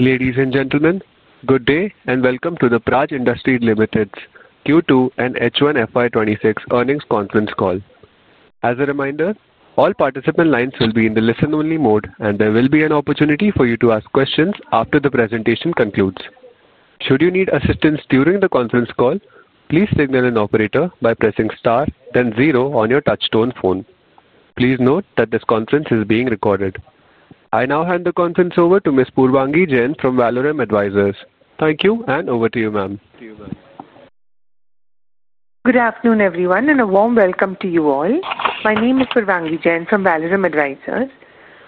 Ladies and gentlemen, good day and welcome to the Praj Industries Limited's Q2 and H1 FY 2026 Earnings Conference Call. As a reminder, all participant lines will be in the listen-only mode, and there will be an opportunity for you to ask questions after the presentation concludes. Should you need assistance during the conference call, please signal an operator by pressing Star, then Zero on your touchstone phone. Please note that this conference is being recorded. I now hand the conference over to Ms. Purvangi Jain from Valorem Advisors. Thank you, and over to you, ma'am. Good afternoon, everyone, and a warm welcome to you all. My name is Purvangi Jain from Valorem Advisors.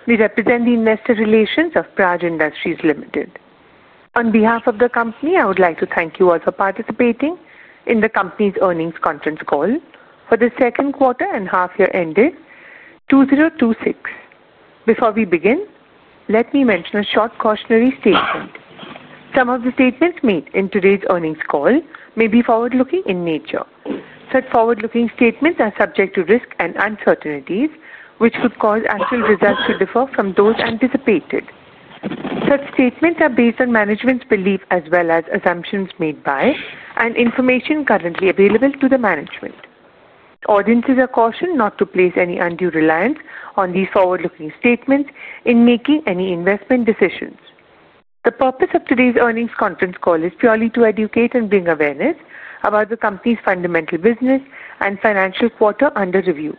We represent the investor relations of Praj Industries Limited. On behalf of the company, I would like to thank you all for participating in the company's earnings conference call for the second quarter and half-year ended 2026. Before we begin, let me mention a short cautionary statement. Some of the statements made in today's earnings call may be forward-looking in nature. Such forward-looking statements are subject to risk and uncertainties, which could cause actual results to differ from those anticipated. Such statements are based on management's belief as well as assumptions made by and information currently available to the management. Audiences are cautioned not to place any undue reliance on these forward-looking statements in making any investment decisions. The purpose of today's earnings conference call is purely to educate and bring awareness about the company's fundamental business and financial quarter under review.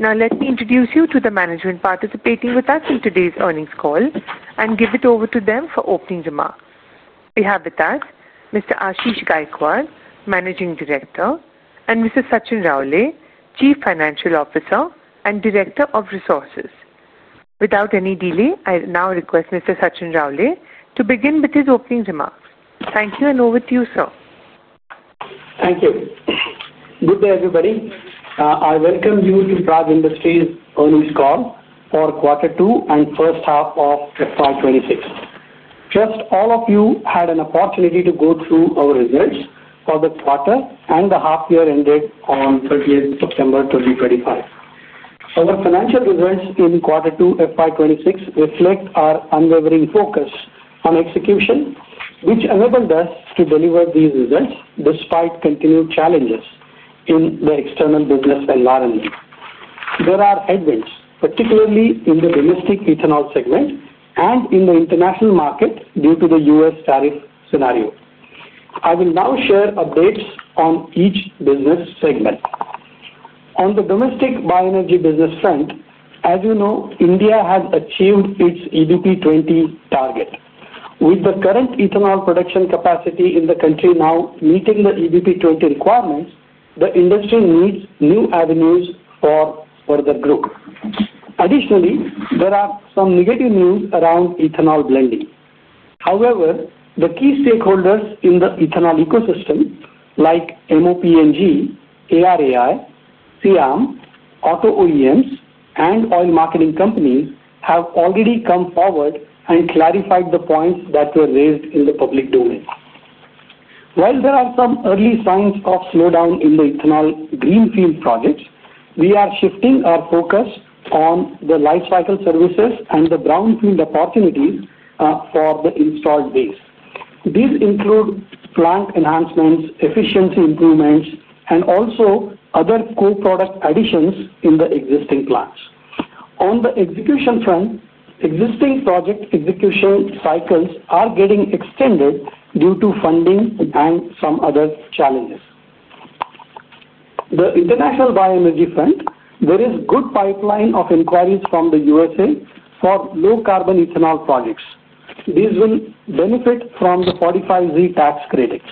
Now, let me introduce you to the management participating with us in today's earnings call and give it over to them for opening remarks. We have with us Mr. Ashish Gaikwad, Managing Director, and Mr. Sachin Raole, Chief Financial Officer and Director of Resources. Without any delay, I now request Mr. Sachin Raole to begin with his opening remarks. Thank you, and over to you, sir. Thank you. Good day, everybody. I welcome you to Praj Industries' Earnings Call for Quarter Two and First Half of FY 26. Just all of you had an opportunity to go through our results for the quarter and the half-year ended on 30th September 2025. Our financial results in quarter two FY26 reflect our unwavering focus on execution, which enabled us to deliver these results despite continued challenges in the external business environment. There are headwinds, particularly in the domestic ethanol segment and in the international market due to the U.S. tariff scenario. I will now share updates on each business segment. On the domestic bioenergy business front, as you know, India has achieved its EBP 20 target. With the current ethanol production capacity in the country now meeting the EBP 20 requirements, the industry needs new avenues for further growth. Additionally, there are some negative news around ethanol blending. However, the key stakeholders in the ethanol ecosystem, like MoPNG, ARAI, SIAM, auto OEMs, and oil marketing companies, have already come forward and clarified the points that were raised in the public domain. While there are some early signs of slowdown in the ethanol greenfield projects, we are shifting our focus on the lifecycle services and the brownfield opportunities for the installed base. These include plant enhancements, efficiency improvements, and also other co-product additions in the existing plants. On the execution front, existing project execution cycles are getting extended due to funding and some other challenges. On the international bioenergy front, there is a good pipeline of inquiries from the U.S.A. for low-carbon ethanol projects. These will benefit from the 45Z tax credits.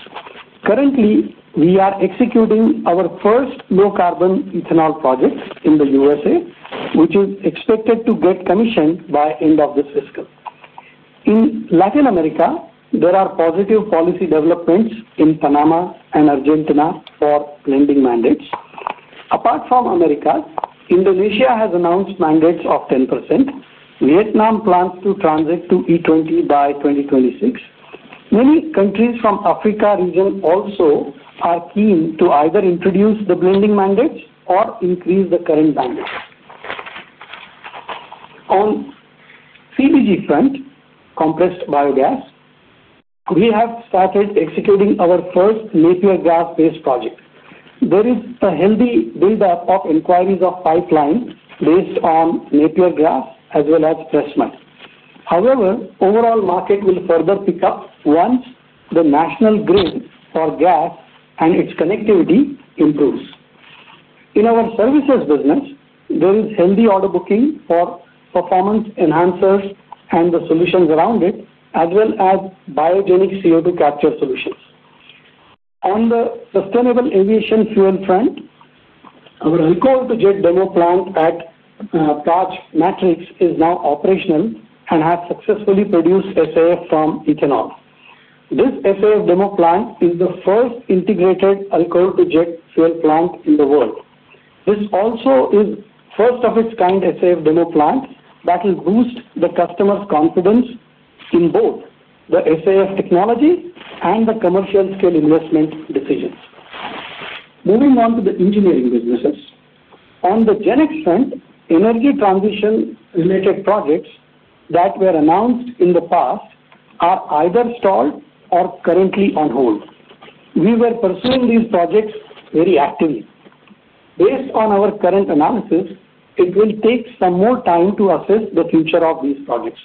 Currently, we are executing our first low-carbon ethanol project in the U.S.A., which is expected to get commissioned by the end of this fiscal. In Latin America, there are positive policy developments in Panama and Argentina for blending mandates. Apart from America, Indonesia has announced mandates of 10%. Vietnam plans to transit to E20 by 2026. Many countries from the Africa region also are keen to either introduce the blending mandates or increase the current mandates. On the CBG front, compressed biogas, we have started executing our first napier grass-based project. There is a healthy buildup of inquiries of pipeline based on napier grass as well as fresh muck. However, the overall market will further pick up once the national grid for gas and its connectivity improves. In our services business, there is healthy order booking for performance enhancers and the solutions around it, as well as biogenic CO2 capture solutions. On the SAF front, our Alcohol-to-Jet demo plant at Praj Matrix is now operational and has successfully produced SAF from ethanol. This SAF demo plant is the first integrated Alcohol-to-Jet fuel plant in the world. This also is the first-of-its-kind SAF demo plant that will boost the customer's confidence in both the SAF technology and the commercial-scale investment decisions. Moving on to the engineering businesses. On the GenX front, energy transition-related projects that were announced in the past are either stalled or currently on hold. We were pursuing these projects very actively. Based on our current analysis, it will take some more time to assess the future of these projects.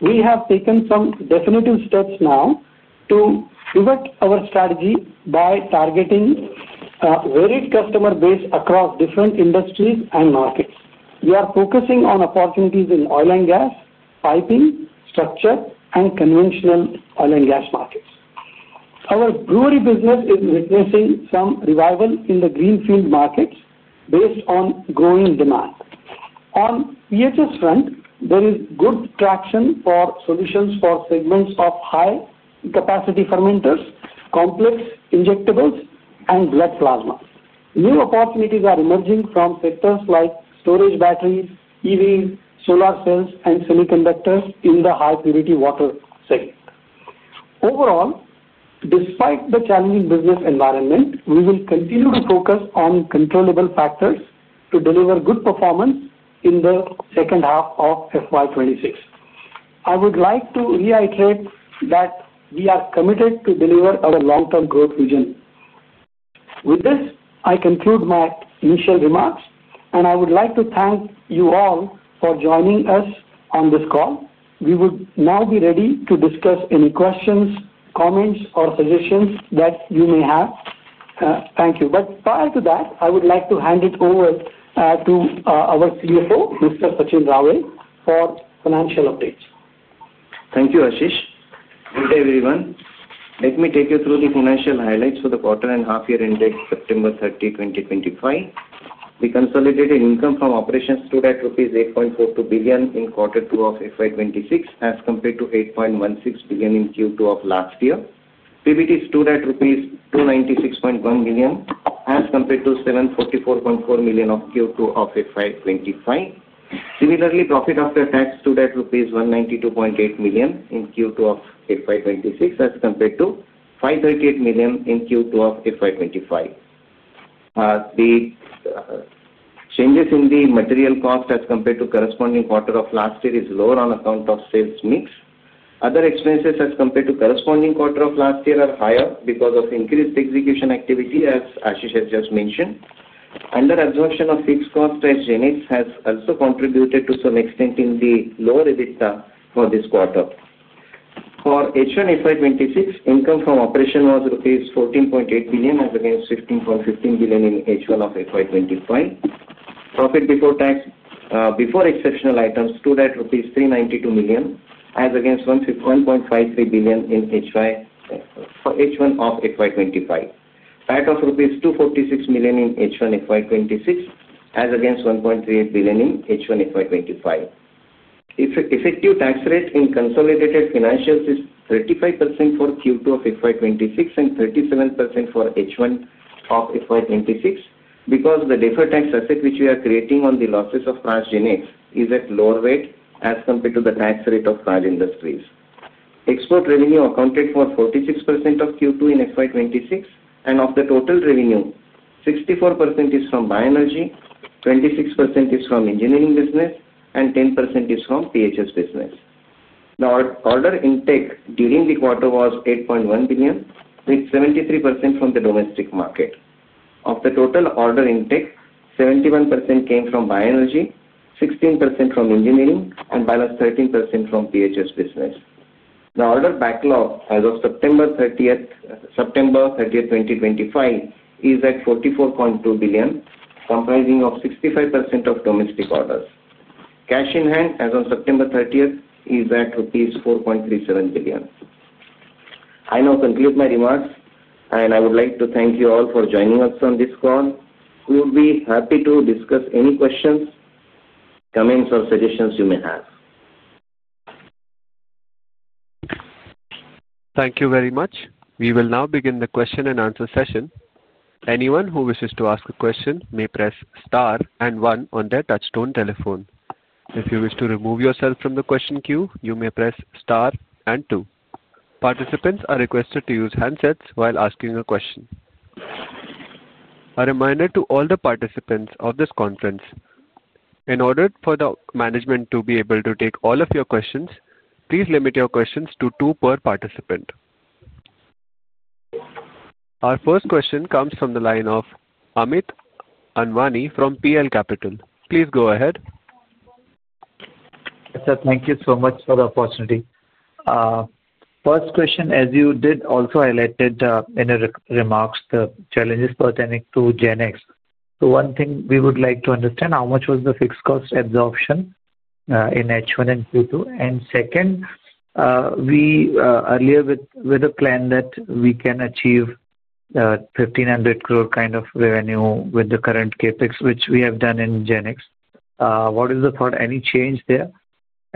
We have taken some definitive steps now to pivot our strategy by targeting varied customer base across different industries and markets. We are focusing on opportunities in oil and gas, piping, structure, and conventional oil and gas markets. Our brewery business is witnessing some revival in the greenfield markets based on growing demand. On the PHS front, there is good traction for solutions for segments of high-capacity fermenters, complex injectables, and blood plasma. New opportunities are emerging from sectors like storage batteries, EVs, solar cells, and semiconductors in the high-purity water segment. Overall, despite the challenging business environment, we will continue to focus on controllable factors to deliver good performance in the second half of FY 2026. I would like to reiterate that we are committed to delivering a long-term growth vision. With this, I conclude my initial remarks, and I would like to thank you all for joining us on this call. We will now be ready to discuss any questions, comments, or suggestions that you may have. Thank you. Prior to that, I would like to hand it over to our CFO, Mr. Sachin Raole, for financial updates. Thank you, Ashish. Good day, everyone. Let me take you through the financial highlights for the quarter and half-year ended September 30, 2025. We consolidated income from operations rupees 28.42 billion in quarter two of FY26 as compared to 8.16 billion in Q2 of last year. PBT is rupees 296.1 million as compared to 744.4 million of Q2 of FY 25. Similarly, profit after tax is rupees 192.8 million in Q2 of FY 26 as compared to 538 million in Q2 of FY 25. The changes in the material cost as compared to the corresponding quarter of last year are lower on account of sales mix. Other expenses as compared to the corresponding quarter of last year are higher because of increased execution activity, as Ashish has just mentioned. Under-absorption of fixed cost at GenX has also contributed to some extent in the lower EBITDA for this quarter. For H1 FY 2026, income from operation was rupees 14.8 billion as against 15.15 billion in H1 of FY 2025. Profit before exceptional items was rupees 392 million as against 1.53 billion in H1 of FY 2025. That was rupees 246 million in H1 FY 2026 as against 1.38 billion in H1 FY2025. Effective tax rate in consolidated financials is 35% for Q2 of FY 2026 and 37% for H1 of FY 2026 because the deferred tax asset, which we are creating on the losses of Praj GenX, is at lower weight as compared to the tax rate of Praj Industries. Export revenue accounted for 46% of Q2 in FY 2026, and of the total revenue, 64% is from bioenergy, 26% is from engineering business, and 10% is from PHS business. The order intake during the quarter was 8.1 billion, with 73% from the domestic market. Of the total order intake, 71% came from bioenergy, 16% from engineering, and balance 13% from PHS business. The order backlog as of September 30th, 2025 is at 44.2 billion, comprising 65% of domestic orders. Cash in hand as of September 30th is at rupees 4.37 billion. I now conclude my remarks, and I would like to thank you all for joining us on this call. We would be happy to discuss any questions, comments, or suggestions you may have. Thank you very much. We will now begin the question-and-answer session. Anyone who wishes to ask a question may press Star and 1 on their touchstone telephone. If you wish to remove yourself from the question queue, you may press Star and 2. Participants are requested to use handsets while asking a question. A reminder to all the participants of this conference. In order for the management to be able to take all of your questions, please limit your questions to two per participant. Our first question comes from the line of Amit Anwani from PL Capital. Please go ahead. Sir, thank you so much for the opportunity. First question, as you did also highlight in your remarks, the challenges pertaining to GenX. One thing we would like to understand: how much was the fixed cost absorption in H1 and Q2? Earlier, with the plan that we can achieve 1500 crore kind of revenue with the current CapEx, which we have done in GenX, what is the thought? Any change there?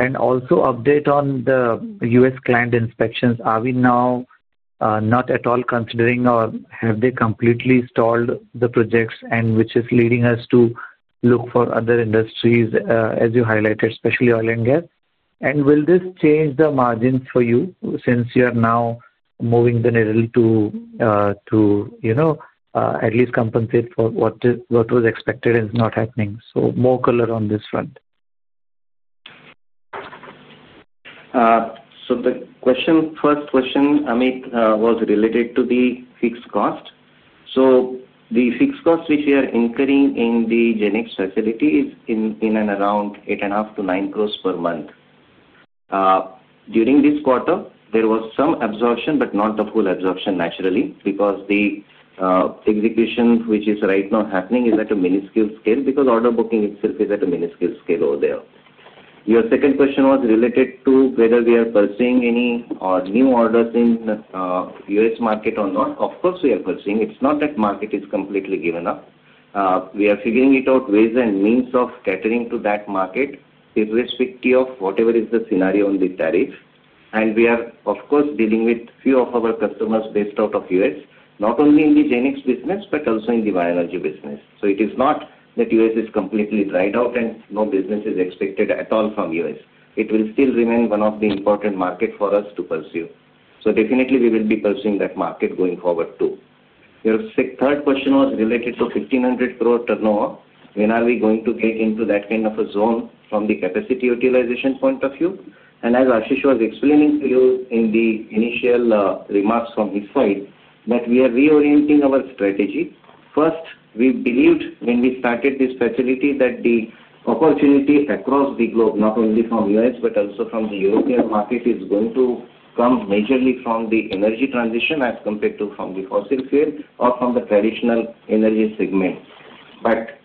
Also, update on the U.S. client inspections. Are we now not at all considering, or have they completely stalled the projects, which is leading us to look for other industries, as you highlighted, especially oil and gas? Will this change the margins for you since you are now moving the needle to at least compensate for what was expected and is not happening? More color on this front. The first question, Amit, was related to the fixed cost. The fixed cost which we are incurring in the GenX facility is in and around 8.5-9 crores per month. During this quarter, there was some absorption, but not the full absorption, naturally, because the execution, which is right now happening, is at a minuscule scale because order booking itself is at a minuscule scale over there. Your second question was related to whether we are pursuing any new orders in the U.S. market or not. Of course, we are pursuing. It is not that the market is completely given up. We are figuring out ways and means of catering to that market irrespective of whatever is the scenario on the tariff. We are, of course, dealing with a few of our customers based out of the U.S., not only in the GenX business but also in the bioenergy business. It is not that the U.S. is completely dried out and no business is expected at all from the U.S. It will still remain one of the important markets for us to pursue. Definitely, we will be pursuing that market going forward too. Your third question was related to 1,500 crore turnover. When are we going to get into that kind of a zone from the capacity utilization point of view? As Ashish was explaining to you in the initial remarks from his side, we are reorienting our strategy. First, we believed when we started this facility that the opportunity across the globe, not only from the U.S. but also from the European market, is going to come majorly from the energy transition as compared to from the fossil fuel or from the traditional energy segment.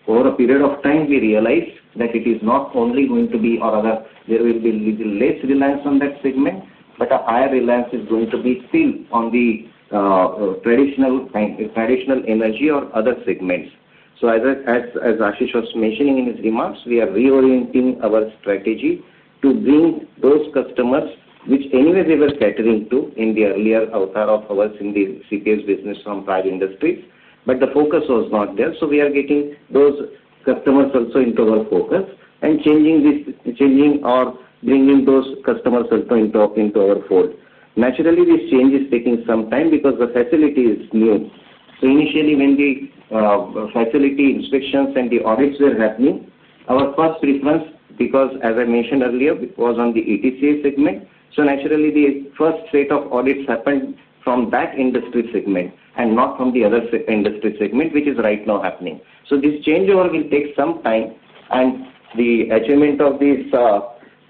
Over a period of time, we realized that it is not only going to be or other; there will be less reliance on that segment, but a higher reliance is going to be still on the traditional energy or other segments. As Ashish was mentioning in his remarks, we are reorienting our strategy to bring those customers which anyway we were catering to in the earlier avatar of ours in the CPES business from Praj Industries. The focus was not there. We are getting those customers also into our focus and changing. Or bringing those customers also into our fold. Naturally, this change is taking some time because the facility is new. Initially, when the facility inspections and the audits were happening, our first preference, because as I mentioned earlier, was on the ETCA segment. Naturally, the first set of audits happened from that industry segment and not from the other industry segment, which is right now happening. This changeover will take some time, and the achievement of this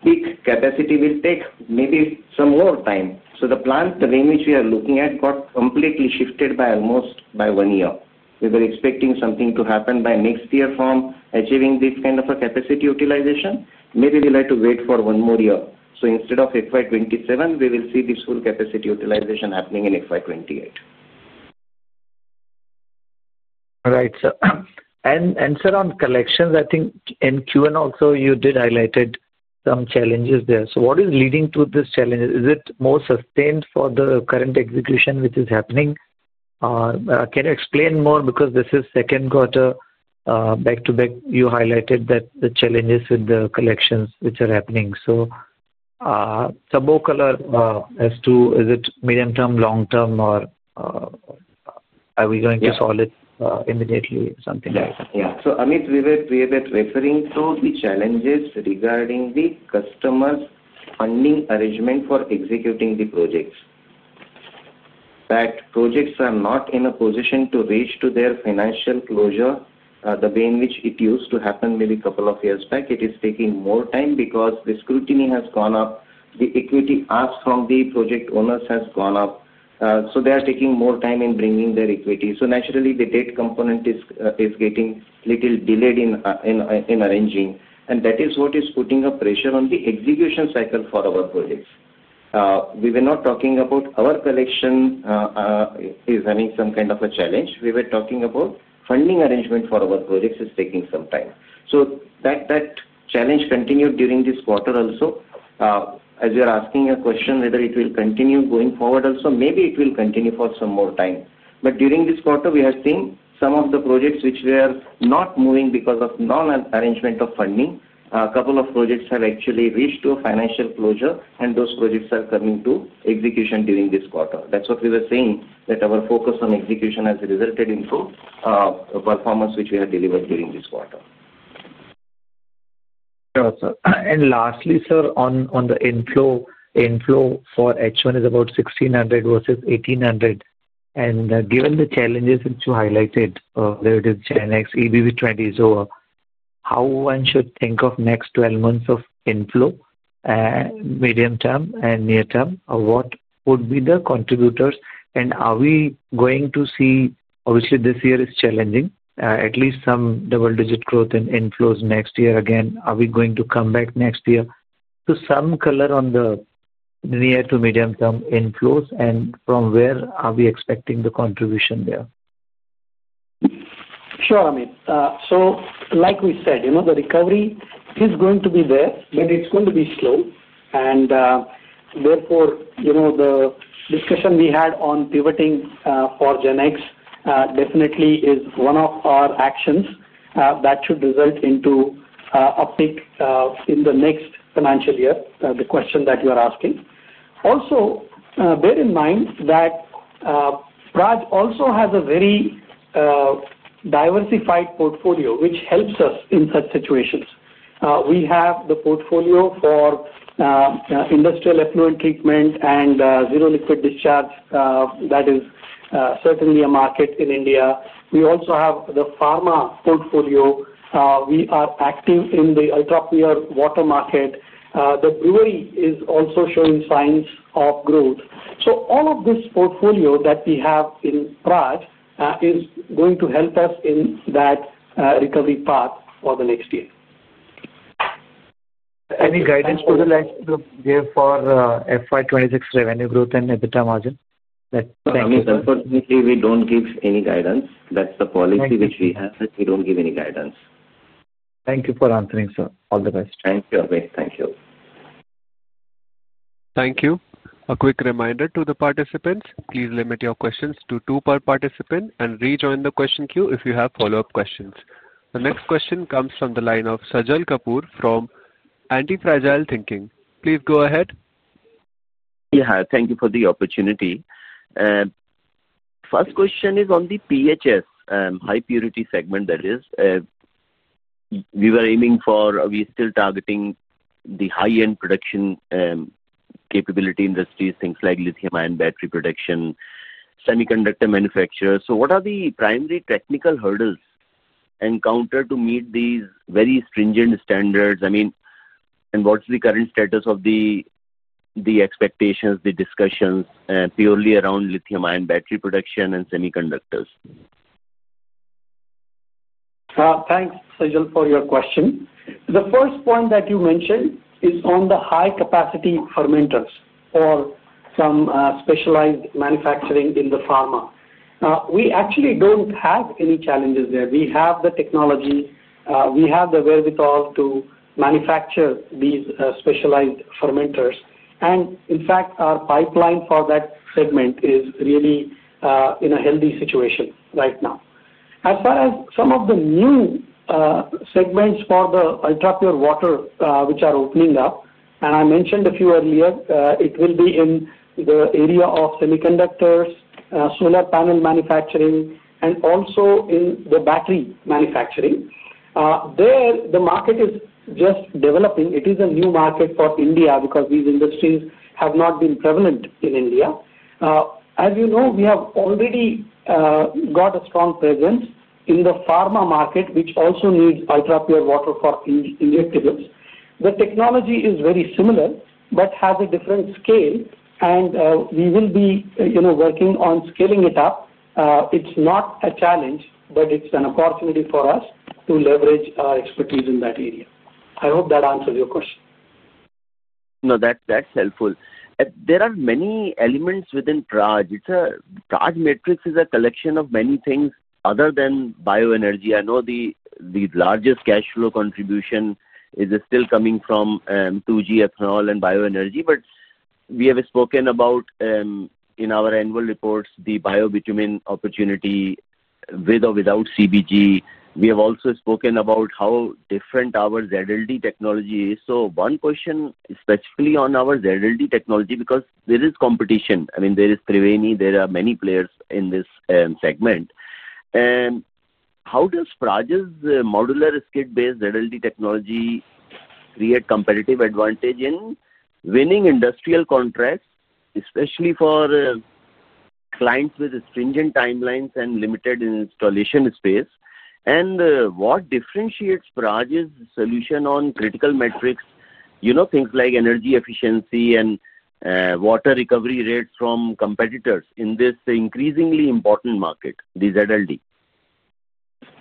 peak capacity will take maybe some more time. The plan, the way in which we are looking at, got completely shifted by almost one year. We were expecting something to happen by next year from achieving this kind of a capacity utilization. Maybe we will have to wait for one more year. Instead of FY 2027, we will see this full capacity utilization happening in FY 2028. All right, sir. Sir, on collections, I think in Q1 also, you did highlight some challenges there. What is leading to these challenges? Is it more sustained for the current execution which is happening? Can you explain more? This is second quarter back to back, you highlighted that the challenges with the collections which are happening. Some more color as to is it medium term, long term, or are we going to solve it immediately? Something like that. Yeah. Amit, we were referring to the challenges regarding the customers' funding arrangement for executing the projects. That projects are not in a position to reach their financial closure the way in which it used to happen maybe a couple of years back. It is taking more time because the scrutiny has gone up. The equity asked from the project owners has gone up. They are taking more time in bringing their equity. Naturally, the debt component is getting a little delayed in arranging. That is what is putting pressure on the execution cycle for our projects. We were not talking about our collection as having some kind of a challenge. We were talking about funding arrangement for our projects is taking some time. That challenge continued during this quarter also. As you're asking a question whether it will continue going forward also, maybe it will continue for some more time. During this quarter, we have seen some of the projects which were not moving because of non-arrangement of funding. A couple of projects have actually reached financial closure, and those projects are coming to execution during this quarter. That's what we were saying, that our focus on execution has resulted in performance which we have delivered during this quarter. Lastly, sir, on the inflow. For H1, it is about 1,600 versus 1,800. Given the challenges which you highlighted, whether it is GenX, EBP 20, ZLD, how should one think of the next 12 months of inflow? Medium term and near term, what would be the contributors? Are we going to see, obviously, this year is challenging, at least some double-digit growth in inflows next year? Again, are we going to come back next year? Some color on the near to medium term inflows, and from where are we expecting the contribution there? Sure, Amit. Like we said, the recovery is going to be there, but it's going to be slow. Therefore, the discussion we had on pivoting for GenX definitely is one of our actions that should result into a peak in the next financial year, the question that you are asking. Also, bear in mind that Praj also has a very diversified portfolio, which helps us in such situations. We have the portfolio for industrial effluent treatment and zero liquid discharge. That is certainly a market in India. We also have the pharma portfolio. We are active in the ultra-pure water market. The brewery is also showing signs of growth. All of this portfolio that we have in Praj is going to help us in that recovery path for the next year. Any guidance for the likes to give for FY 2026 revenue growth and EBITDA margin? Thank you. Unfortunately, we do not give any guidance. That is the policy which we have, that we do not give any guidance. Thank you for answering, sir. All the best. Thank you, Amit. Thank you. Thank you. A quick reminder to the participants. Please limit your questions to two per participant and rejoin the question queue if you have follow-up questions. The next question comes from the line of Sajal Kapoor from Substack. Please go ahead. Yeah, thank you for the opportunity. First question is on the PHS, high-purity segment, that is. We were aiming for, we're still targeting the high-end production. Capability industries, things like lithium-ion battery production, semiconductor manufacturers. What are the primary technical hurdles encountered to meet these very stringent standards? I mean, what's the current status of the expectations, the discussions purely around lithium-ion battery production and semiconductors? Thanks, Sajal, for your question. The first point that you mentioned is on the high-capacity fermenters or some specialized manufacturing in the pharma. We actually do not have any challenges there. We have the technology. We have the wherewithal to manufacture these specialized fermenters. In fact, our pipeline for that segment is really in a healthy situation right now. As far as some of the new segments for the ultra-pure water which are opening up, and I mentioned a few earlier, it will be in the area of semiconductors, solar panel manufacturing, and also in the battery manufacturing. There, the market is just developing. It is a new market for India because these industries have not been prevalent in India. As you know, we have already got a strong presence in the pharma market, which also needs ultra-pure water for injectables. The technology is very similar but has a different scale. We will be working on scaling it up. It's not a challenge, but it's an opportunity for us to leverage our expertise in that area. I hope that answers your question. No, that's helpful. There are many elements within Praj. Praj Matrix is a collection of many things other than bioenergy. I know the largest cash flow contribution is still coming from 2G ethanol and bioenergy, but we have spoken about, in our annual reports, the bio-bitumen opportunity with or without CBG. We have also spoken about how different our ZLD technology is. One question specifically on our ZLD technology because there is competition. I mean, there is Triveni. There are many players in this segment. How does Praj's modular skid-based ZLD technology create competitive advantage in winning industrial contracts, especially for clients with stringent timelines and limited installation space? What differentiates Praj's solution on critical metrics, things like energy efficiency and water recovery rates, from competitors in this increasingly important market, the ZLD?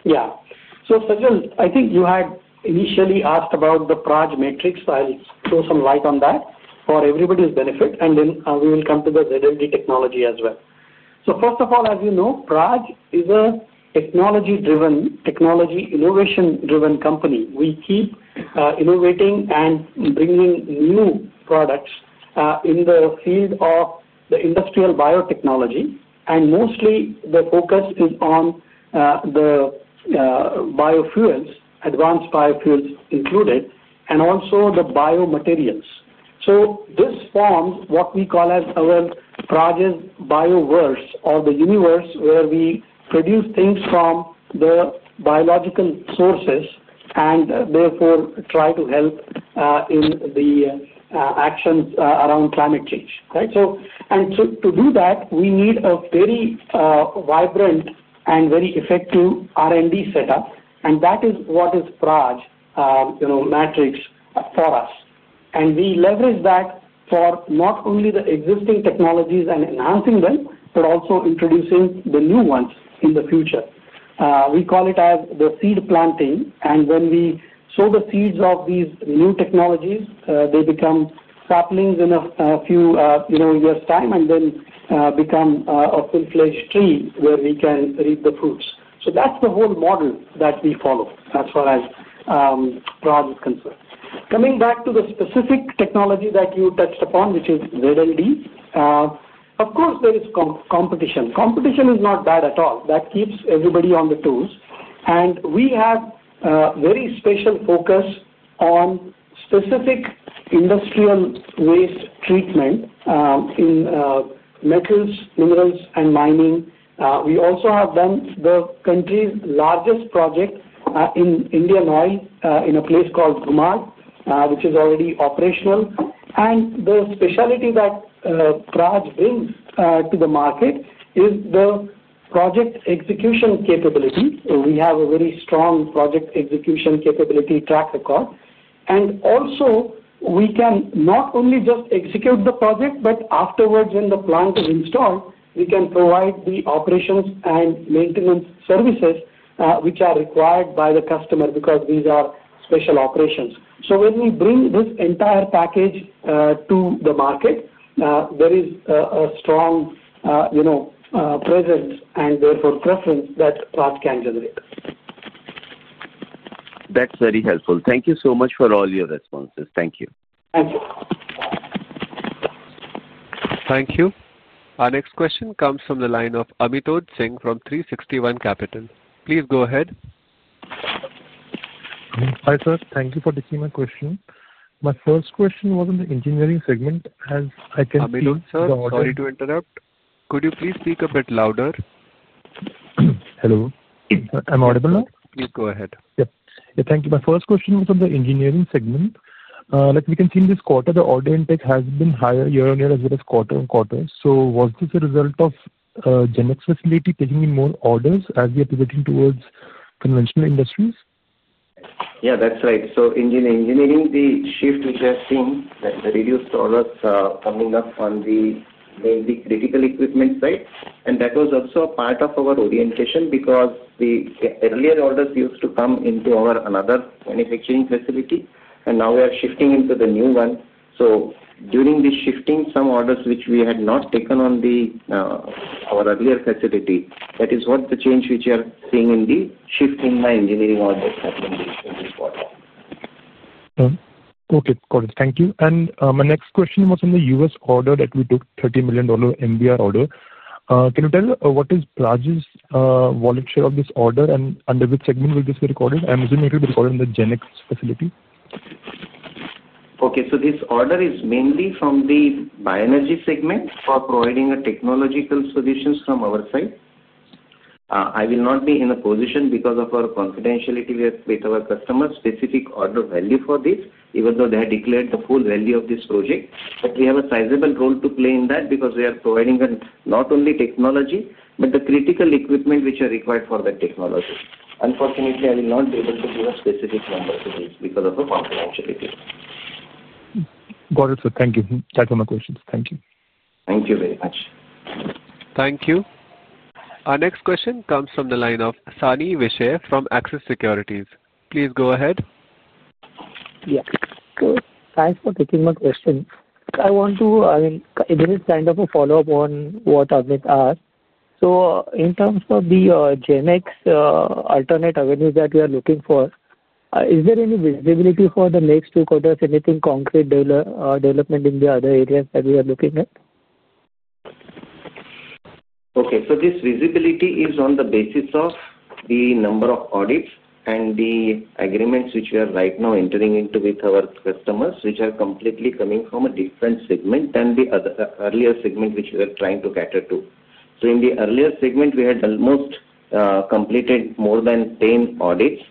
Yeah. Sajal, I think you had initially asked about the Praj Matrix. I'll throw some light on that for everybody's benefit, and then we will come to the ZLD technology as well. First of all, as you know, Praj is a technology-driven, technology innovation-driven company. We keep innovating and bringing new products in the field of industrial biotechnology. Mostly, the focus is on the biofuels, advanced biofuels included, and also the biomaterials. This forms what we call as our Praj's bioverse or the universe where we produce things from the biological sources and therefore try to help in the actions around climate change. To do that, we need a very vibrant and very effective R&D setup. That is what is Praj Matrix for us. We leverage that for not only the existing technologies and enhancing them, but also introducing the new ones in the future. We call it the seed planting. When we sow the seeds of these new technologies, they become saplings in a few years' time and then become a full-fledged tree where we can reap the fruits. That is the whole model that we follow as far as Praj is concerned. Coming back to the specific technology that you touched upon, which is ZLD. Of course, there is competition. Competition is not bad at all. That keeps everybody on their toes. We have a very special focus on specific industrial waste treatment in metals, minerals, and mining. We also have done the country's largest project in Indian Oil in a place called Panipat, which is already operational. The specialty that. Praj brings to the market is the project execution capability. We have a very strong project execution capability track record. We can not only just execute the project, but afterwards, when the plant is installed, we can provide the operations and maintenance services which are required by the customer because these are special operations. When we bring this entire package to the market, there is a strong presence and therefore preference that Praj can generate. That's very helpful. Thank you so much for all your responses. Thank you. Thank you. Thank you. Our next question comes from the line of Amitod Singh from 361 Capital. Please go ahead. Hi, sir. Thank you for taking my question. My first question was on the engineering segment as I can see. Amitod, sir, sorry to interrupt. Could you please speak a bit louder? Hello. Am I audible now? Please go ahead. Yeah. Thank you. My first question was on the engineering segment. Like we can see in this quarter, the order intake has been higher year-on-year as well as quarter-on-quarter. Was this a result of Praj GenX facility taking in more orders as we are pivoting towards conventional industries? Yeah, that's right. In engineering, the shift we have seen is that the reduced orders are coming up on the mainly critical equipment side. That was also a part of our orientation because the earlier orders used to come into another manufacturing facility, and now we are shifting into the new one. During this shifting, some orders which we had not taken on our earlier facility, that is what the change is which we are seeing in the shift in the engineering orders happening in this quarter. Okay. Got it. Thank you. My next question was on the U.S. order that we took, $30 million MBR order. Can you tell what is Praj's volunteer of this order and under which segment will this be recorded? I'm assuming it will be recorded in the GenX facility. Okay. This order is mainly from the bioenergy segment for providing technological solutions from our side. I will not be in a position because of our confidentiality with our customers, to give a specific order value for this, even though they have declared the full value of this project. We have a sizable role to play in that because we are providing not only technology but the critical equipment which are required for that technology. Unfortunately, I will not be able to give a specific number to this because of the confidentiality. Got it, sir. Thank you. That's all my questions. Thank you. Thank you very much. Thank you. Our next question comes from the line of Sani Vishe from Access Securities. Please go ahead. Yes. Thanks for taking my question. I want to, I mean, this is kind of a follow-up on what Amit asked. In terms of the GenX alternate avenues that we are looking for, is there any visibility for the next two quarters, anything concrete development in the other areas that we are looking at? Okay. This visibility is on the basis of the number of audits and the agreements which we are right now entering into with our customers, which are completely coming from a different segment than the earlier segment which we are trying to cater to. In the earlier segment, we had almost completed more than 10 audits.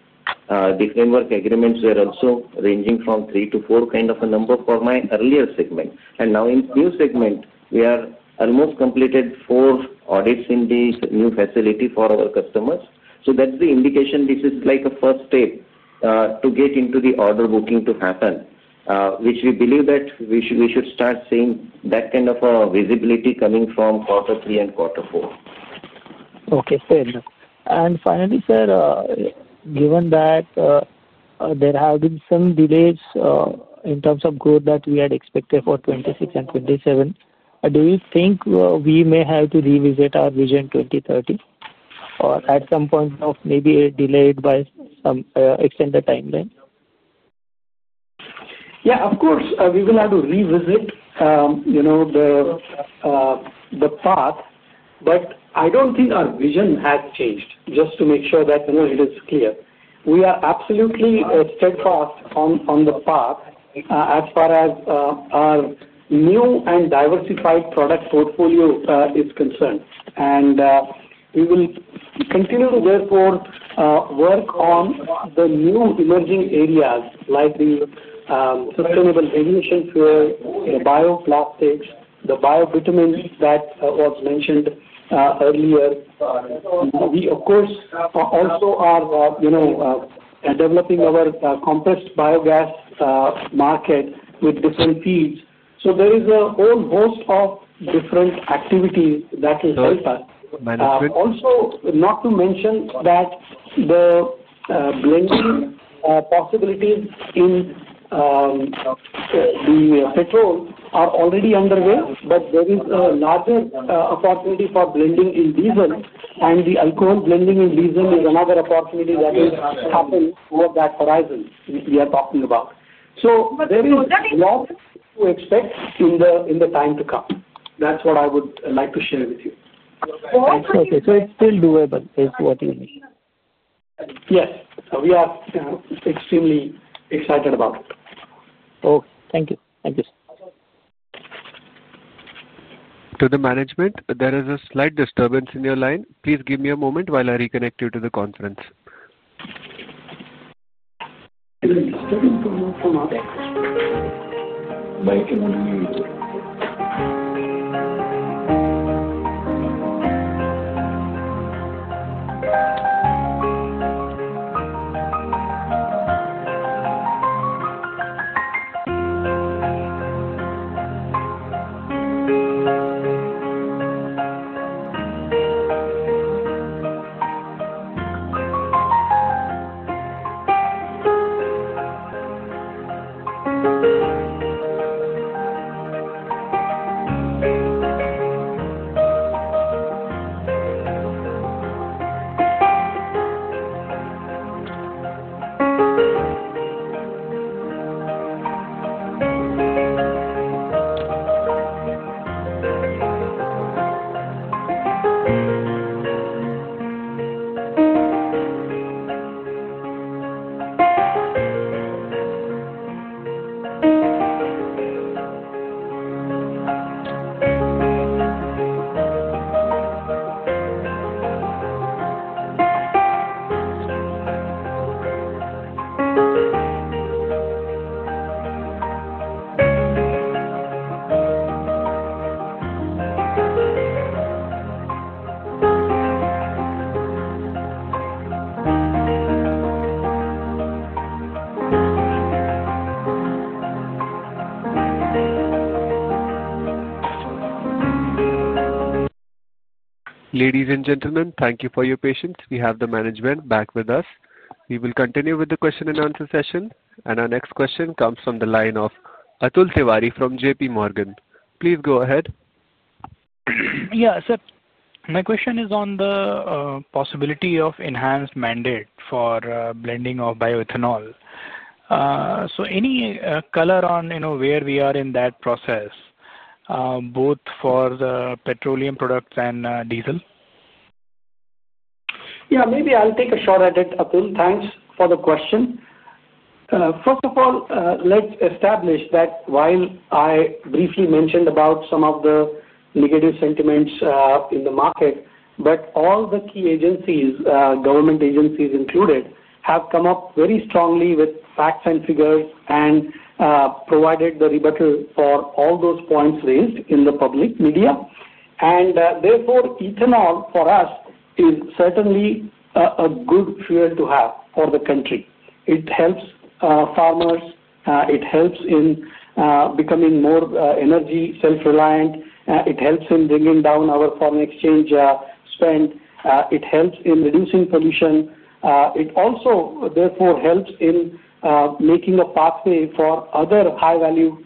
The framework agreements were also ranging from three to four kind of a number for my earlier segment. Now in the new segment, we have almost completed four audits in the new facility for our customers. That is the indication this is like a first step to get into the order booking to happen, which we believe that we should start seeing that kind of visibility coming from quarter three and quarter four. Okay. Fair. Finally, sir, given that there have been some delays in terms of growth that we had expected for 2026 and 2027, do you think we may have to revisit our vision 2030 or at some point maybe delay it by some extended timeline? Yeah, of course, we will have to revisit the path, but I don't think our vision has changed. Just to make sure that it is clear, we are absolutely steadfast on the path as far as our new and diversified product portfolio is concerned. We will continue to therefore work on the new emerging areas like SAF sphere, the bioplastics, the bio-bitumen that was mentioned earlier. We, of course, also are developing our compressed biogas market with different feeds. There is a whole host of different activities that will help us. Also, not to mention that the blending possibilities in the petrol are already underway, but there is a larger opportunity for blending in diesel, and the alcohol blending in diesel is another opportunity that will happen over that horizon we are talking about. There is a lot to expect in the time to come. That's what I would like to share with you. It's still doable is what you mean? Yes. We are extremely excited about it. Okay. Thank you. Thank you, sir. To the management, there is a slight disturbance in your line. Please give me a moment while I reconnect you to the conference. Ladies and gentlemen, thank you for your patience. We have the management back with us. We will continue with the question and answer session. Our next question comes from the line of Atul Tiwari from JPMorgan. Please go ahead. Yeah, sir. My question is on the possibility of enhanced mandate for blending of bioethanol. So any color on where we are in that process. Both for the petroleum products and diesel? Yeah, maybe I'll take a shot at it, Atul. Thanks for the question. First of all, let's establish that while I briefly mentioned about some of the negative sentiments in the market, all the key agencies, government agencies included, have come up very strongly with facts and figures and provided the rebuttal for all those points raised in the public media. Therefore, ethanol for us is certainly a good fuel to have for the country. It helps farmers. It helps in becoming more energy self-reliant. It helps in bringing down our foreign exchange spend. It helps in reducing pollution. It also therefore helps in making a pathway for other high-value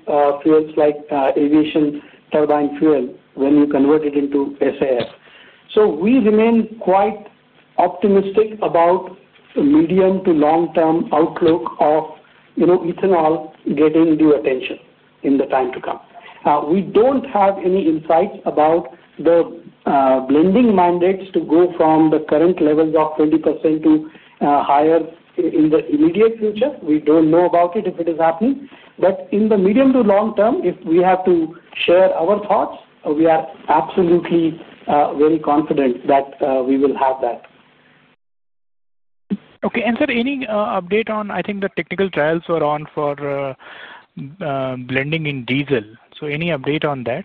fuels like aviation turbine fuel when you convert it into SAF. We remain quite optimistic about the medium to long-term outlook of ethanol getting due attention in the time to come. We don't have any insights about the. Blending mandates to go from the current levels of 20% to higher in the immediate future. We do not know about it if it is happening. In the medium to long term, if we have to share our thoughts, we are absolutely very confident that we will have that. Okay. Sir, any update on, I think, the technical trials are on for blending in diesel? Any update on that?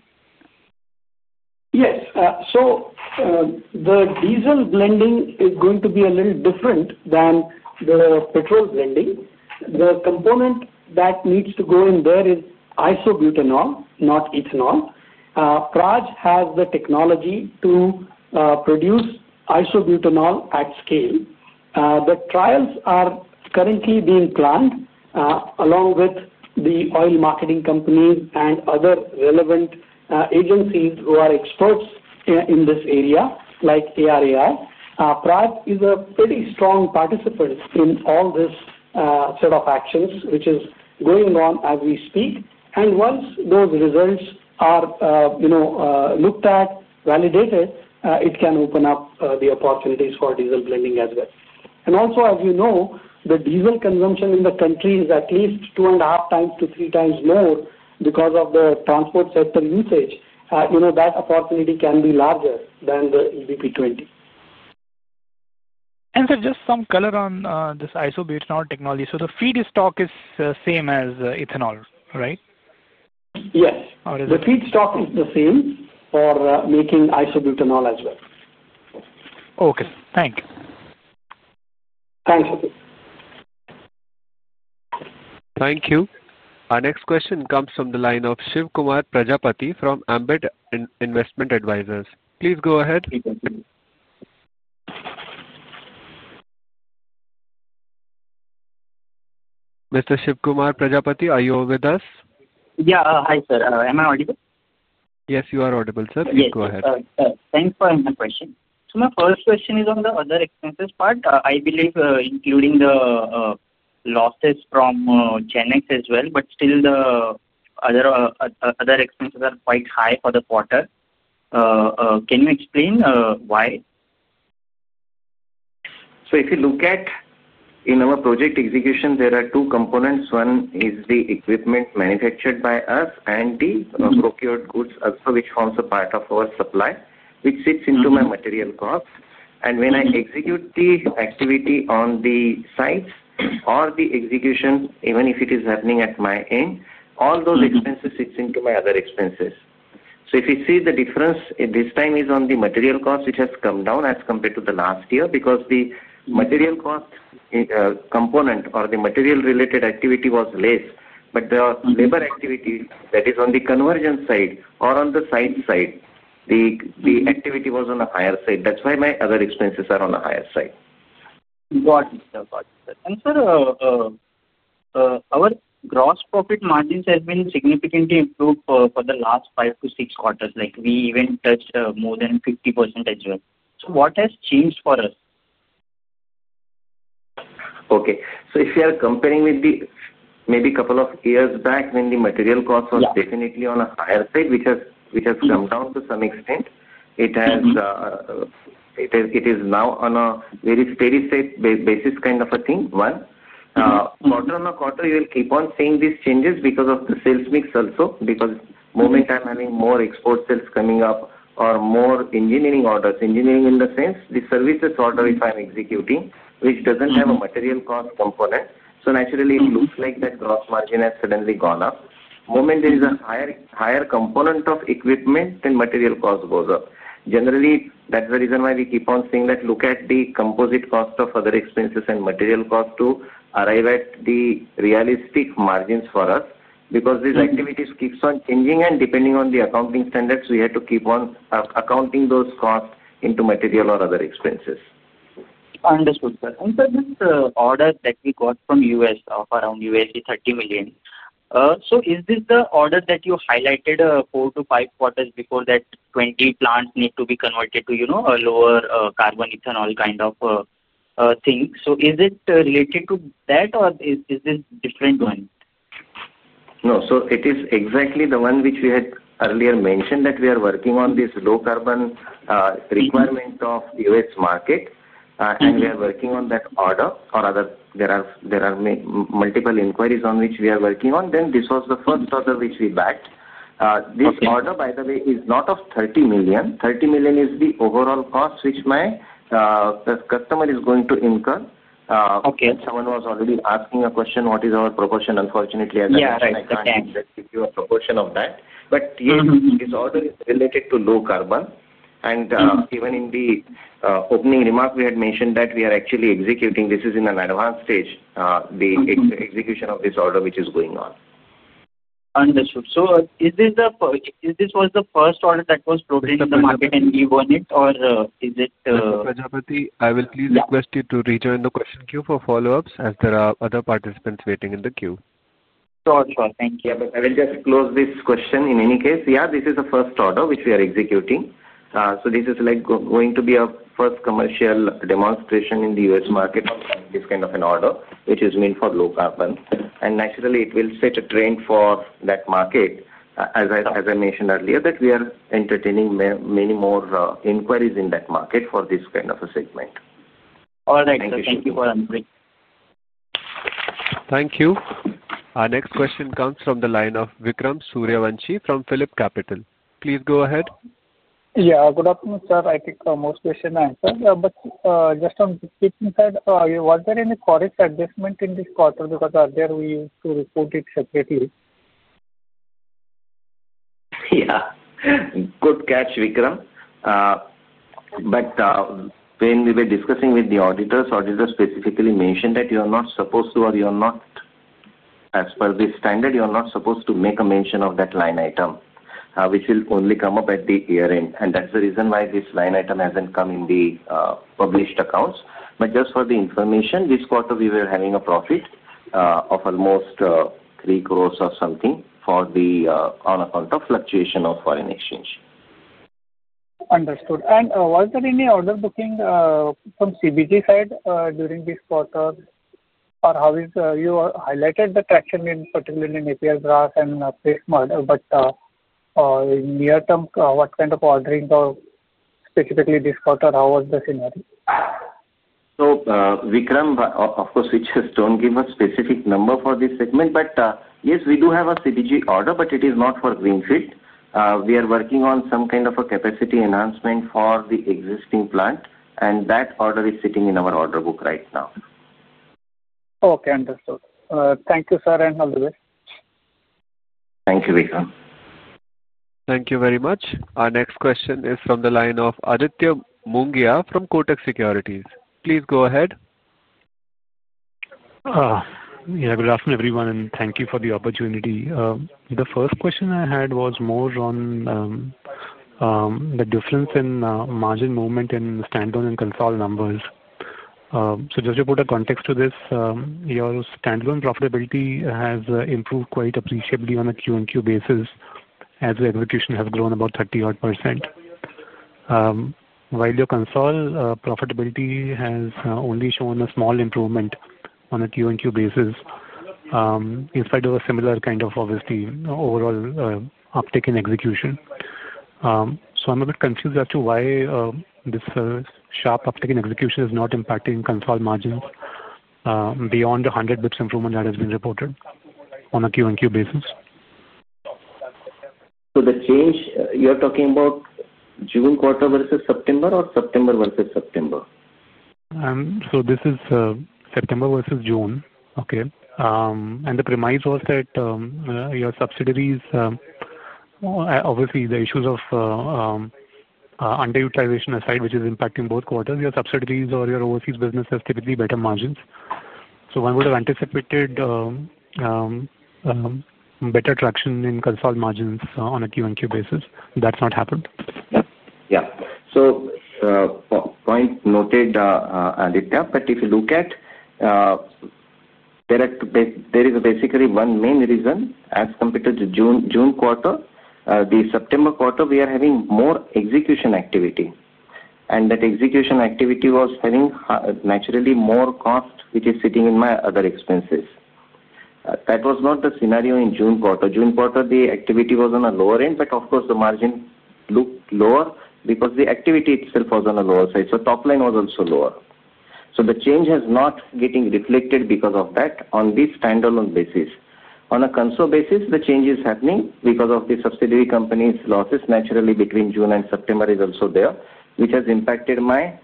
Yes. The diesel blending is going to be a little different than the petrol blending. The component that needs to go in there is isobutanol, not ethanol. Praj has the technology to produce isobutanol at scale. The trials are currently being planned along with the oil marketing companies and other relevant agencies who are experts in this area, like ARAI. Praj is a pretty strong participant in all this set of actions which is going on as we speak. Once those results are looked at, validated, it can open up the opportunities for diesel blending as well. Also, as you know, the diesel consumption in the country is at least two and a half times to three times more because of the transport sector usage. That opportunity can be larger than the EBP-20. Sir, just some color on this isobutanol technology. The feed stock is the same as ethanol, right? Yes. The feedstock is the same for making isobutanol as well. Okay. Thank you. Thanks. Thank you. Our next question comes from the line of Shivkumar Prajapati from Ambit Investment Advisors. Please go ahead. Mr. Shivkumar Prajapati, are you with us? Yeah. Hi, sir. Am I audible? Yes, you are audible, sir. Please go ahead. Yes, sir. Thanks for the question. My first question is on the other expenses part. I believe including the losses from GenX as well, but still the other expenses are quite high for the quarter. Can you explain why? If you look at our project execution, there are two components. One is the equipment manufactured by us and the procured goods as well, which forms a part of our supply, which sits into my material costs. When I execute the activity on the sites or the execution, even if it is happening at my end, all those expenses sit into my other expenses. If you see the difference, this time is on the material cost, which has come down as compared to last year because the material cost component or the material-related activity was less. The labor activity that is on the convergence side or on the site side, the activity was on the higher side. That is why my other expenses are on the higher side. Got it. Got it, sir. Sir, our gross profit margins have been significantly improved for the last five to six quarters. We even touched more than 50% as well. What has changed for us? Okay. If you are comparing with maybe a couple of years back when the material cost was definitely on a higher side, which has come down to some extent, it is now on a very steady state basis kind of a thing. One quarter on a quarter, you will keep on seeing these changes because of the sales mix also, because the moment I am having more export sales coming up or more engineering orders. Engineering in the sense the services order if I'm executing, which doesn't have a material cost component. Naturally, it looks like that gross margin has suddenly gone up. The moment there is a higher component of equipment and material cost goes up. Generally, that's the reason why we keep on saying that look at the composite cost of other expenses and material cost to arrive at the realistic margins for us because these activities keep on changing. Depending on the accounting standards, we have to keep on accounting those costs into material or other expenses. Understood, sir. Sir, this order that we got from the U.S., around $30 million. Is this the order that you highlighted four to five quarters before that 20 plants need to be converted to a lower carbon ethanol kind of thing? Is it related to that, or is this a different one? No. It is exactly the one which we had earlier mentioned that we are working on, this low carbon requirement of the U.S. market. We are working on that order. There are multiple inquiries on which we are working. This was the first order which we backed. This order, by the way, is not $30 million. $30 million is the overall cost which my customer is going to incur. Someone was already asking a question, what is our proportion? Unfortunately, I cannot guarantee you a proportion of that. Yes, this order is related to low carbon. Even in the opening remark, we had mentioned that we are actually executing. This is in an advanced stage, the execution of this order which is going on. Understood. Is this the first order that was brought into the market and we won it, or is it? Mr. Prajapati, I will please request you to rejoin the question queue for follow-ups as there are other participants waiting in the queue. Sure, sure. Thank you. I will just close this question in any case. Yeah, this is the first order which we are executing. This is going to be a first commercial demonstration in the U.S. market of this kind of an order, which is meant for low carbon. Naturally, it will set a trend for that market. As I mentioned earlier, we are entertaining many more inquiries in that market for this kind of a segment. All right. Thank you for answering. Thank you. Our next question comes from the line of Vikram Suryavanshi from PhilipCapital. Please go ahead. Yeah. Good afternoon, sir. I think most questions answered. Just on the shipping side, was there any correct adjustment in this quarter because earlier we used to report it separately? Yeah. Good catch, Vikram. When we were discussing with the auditors, auditors specifically mentioned that you are not supposed to, or you are not. As per the standard, you are not supposed to make a mention of that line item, which will only come up at the year-end. That is the reason why this line item has not come in the published accounts. Just for the information, this quarter we were having a profit of almost 30 million or something on account of fluctuation of foreign exchange. Understood. Was there any order booking from CBG side during this quarter? You highlighted the traction particularly in APR graph and PRISM model, but in near-term, what kind of ordering or specifically this quarter, how was the scenario? Vikram, of course, we just do not give a specific number for this segment. Yes, we do have a CBG order, but it is not for Greenfield. We are working on some kind of a capacity enhancement for the existing plant, and that order is sitting in our order book right now. Okay. Understood. Thank you, sir, and all the best. Thank you, Vikram. Thank you very much. Our next question is from the line of Aditya Mungia from Kotak Securities. Please go ahead. Yeah. Good afternoon, everyone, and thank you for the opportunity. The first question I had was more on the difference in margin movement in standalone and consolidated numbers. Just to put a context to this, your standalone profitability has improved quite appreciably on a QoQ basis as the execution has grown about 30-odd percent. While your consolidated profitability has only shown a small improvement on a QoQ basis. In spite of a similar kind of, obviously, overall uptake in execution. I'm a bit confused as to why this sharp uptake in execution is not impacting consolidated margins beyond the 100 basis points improvement that has been reported on a QoQ basis. The change you are talking about, June quarter versus September, or September versus September? This is September versus June. Okay. The premise was that your subsidiaries, obviously, the issues of under-utilization aside, which is impacting both quarters, your subsidiaries or your overseas business has typically better margins. One would have anticipated better traction in consolidated margins on a QoQ basis. That's not happened. Yeah. So, point noted, Aditya, but if you look at, there is basically one main reason as compared to June quarter. The September quarter, we are having more execution activity. That execution activity was having naturally more cost, which is sitting in my other expenses. That was not the scenario in June quarter. June quarter, the activity was on a lower end, but of course, the margin looked lower because the activity itself was on the lower side. Top line was also lower. The change has not been reflected because of that on the standalone basis. On a consolidated basis, the change is happening because of the subsidiary company's losses. Naturally, between June and September is also there, which has impacted my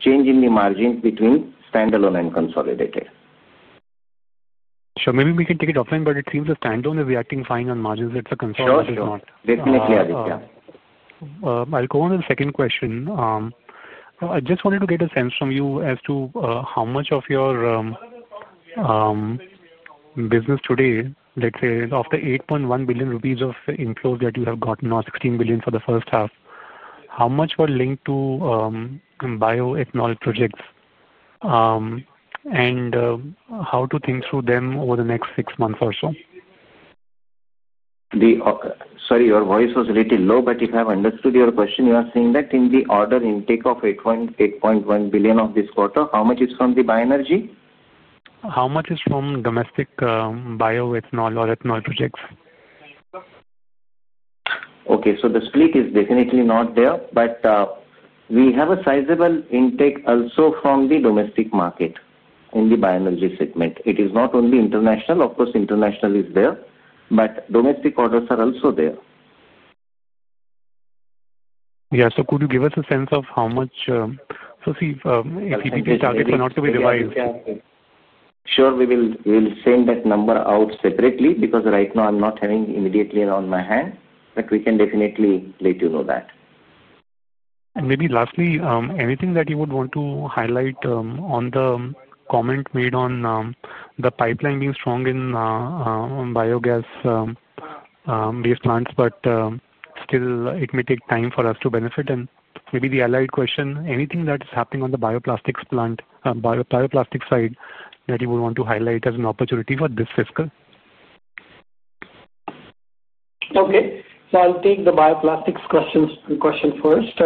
change in the margin between standalone and consolidated. Sure. Maybe we can take it offline, but it seems that standalone is reacting fine on margins. That's a concern, which is not. Sure. Definitely, Aditya. I'll go on to the second question. I just wanted to get a sense from you as to how much of your business today, let's say, of the 8.1 billion rupees of inflows that you have gotten or 16 billion for the first half, how much were linked to bioethanol projects? And how to think through them over the next six months or so? Sorry, your voice was a little low, but if I have understood your question, you are saying that in the order intake of 8.1 billion of this quarter, how much is from the bioenergy? How much is from domestic bioethanol or ethanol projects? Okay. The split is definitely not there, but we have a sizable intake also from the domestic market in the bioenergy segment. It is not only international. Of course, international is there, but domestic orders are also there. Yeah. Could you give us a sense of how much? See, if CBG target were not to be revised. Sure. We will send that number out separately because right now I'm not having immediately on my hand, but we can definitely let you know that. Maybe lastly, anything that you would want to highlight on the comment made on the pipeline being strong in biogas-based plants, but still it may take time for us to benefit. Maybe the allied question, anything that is happening on the bioplastics side that you would want to highlight as an opportunity for this fiscal? Okay. I'll take the bioplastics question first.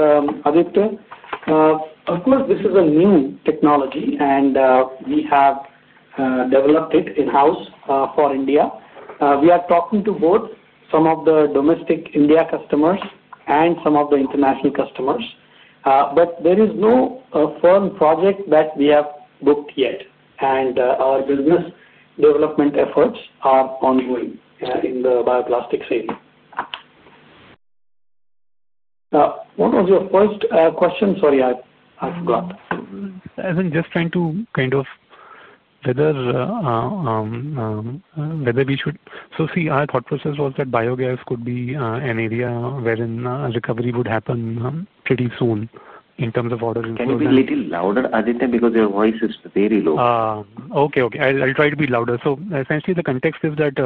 Aditya. Of course, this is a new technology, and we have developed it in-house for India. We are talking to both some of the domestic India customers and some of the international customers. There is no firm project that we have booked yet, and our business development efforts are ongoing in the bioplastics area. What was your first question? Sorry, I forgot. I was just trying to kind of, whether we should. See, our thought process was that biogas could be an area wherein recovery would happen pretty soon in terms of orders. Can you be a little louder, Aditya, because your voice is very low? Okay. Okay. I'll try to be louder. Essentially, the context is that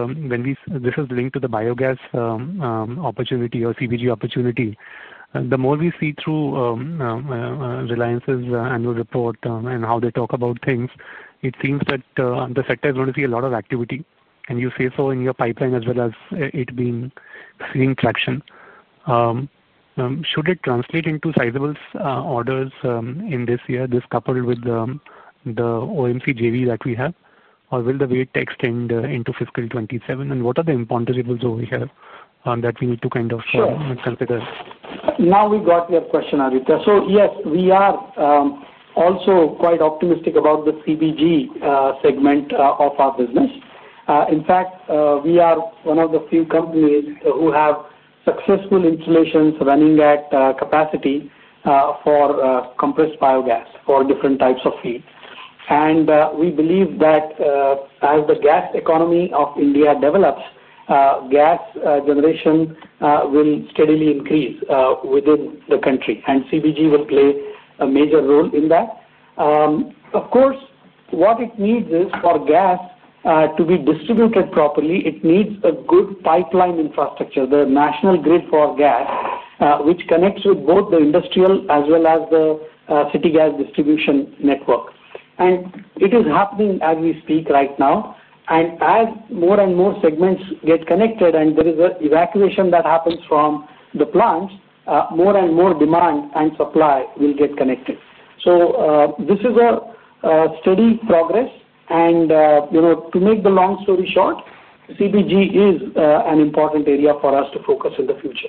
this is linked to the biogas opportunity or CBG opportunity. The more we see through Reliance's annual report and how they talk about things, it seems that the sector is going to see a lot of activity. You say so in your pipeline as well as it being seen traction. Should it translate into sizable orders in this year, this coupled with the OMC JV that we have, or will the wait extend into fiscal 2027? What are the impromptu results over here that we need to kind of consider? Now we got your question, Aditya. Yes, we are also quite optimistic about the CBG segment of our business. In fact, we are one of the few companies who have successful installations running at capacity for compressed biogas for different types of feed. We believe that as the gas economy of India develops, gas generation will steadily increase within the country, and CBG will play a major role in that. Of course, what it needs is for gas to be distributed properly, it needs a good pipeline infrastructure, the national grid for gas, which connects with both the industrial as well as the city gas distribution network. It is happening as we speak right now. As more and more segments get connected and there is an evacuation that happens from the plants, more and more demand and supply will get connected. This is a steady progress. To make the long story short, CBG is an important area for us to focus in the future.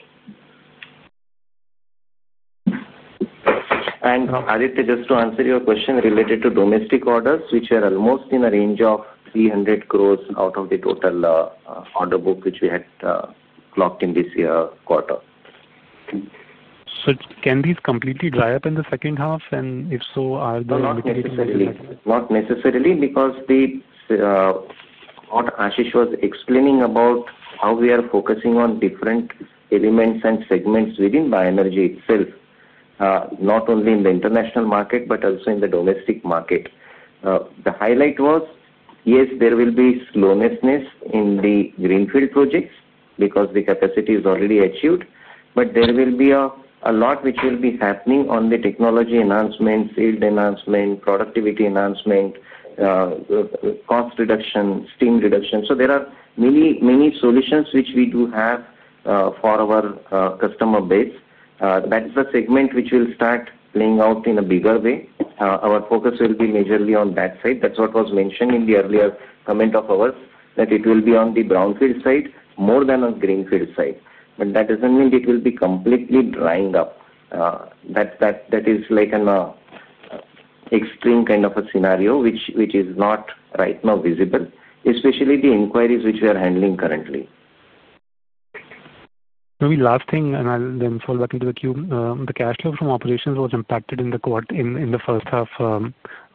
Aditya, just to answer your question related to domestic orders, which are almost in a range of 300 crore out of the total order book which we had clocked in this quarter. Can these completely dry up in the second half? If so, are there mitigating measures? Not necessarily because. What Ashish was explaining about how we are focusing on different elements and segments within bioenergy itself. Not only in the international market, but also in the domestic market. The highlight was, yes, there will be slowness in the greenfield projects because the capacity is already achieved, but there will be a lot which will be happening on the technology announcement, field announcement, productivity announcement. Cost reduction, steam reduction. There are many solutions which we do have for our customer base. That is the segment which will start playing out in a bigger way. Our focus will be majorly on that side. That is what was mentioned in the earlier comment of ours, that it will be on the brownfield side more than on the greenfield side. That does not mean it will be completely drying up. That is like an. Extreme kind of a scenario which is not right now visible, especially the inquiries which we are handling currently. Maybe last thing, and I'll then fall back into the queue. The cash flow from operations was impacted in the first half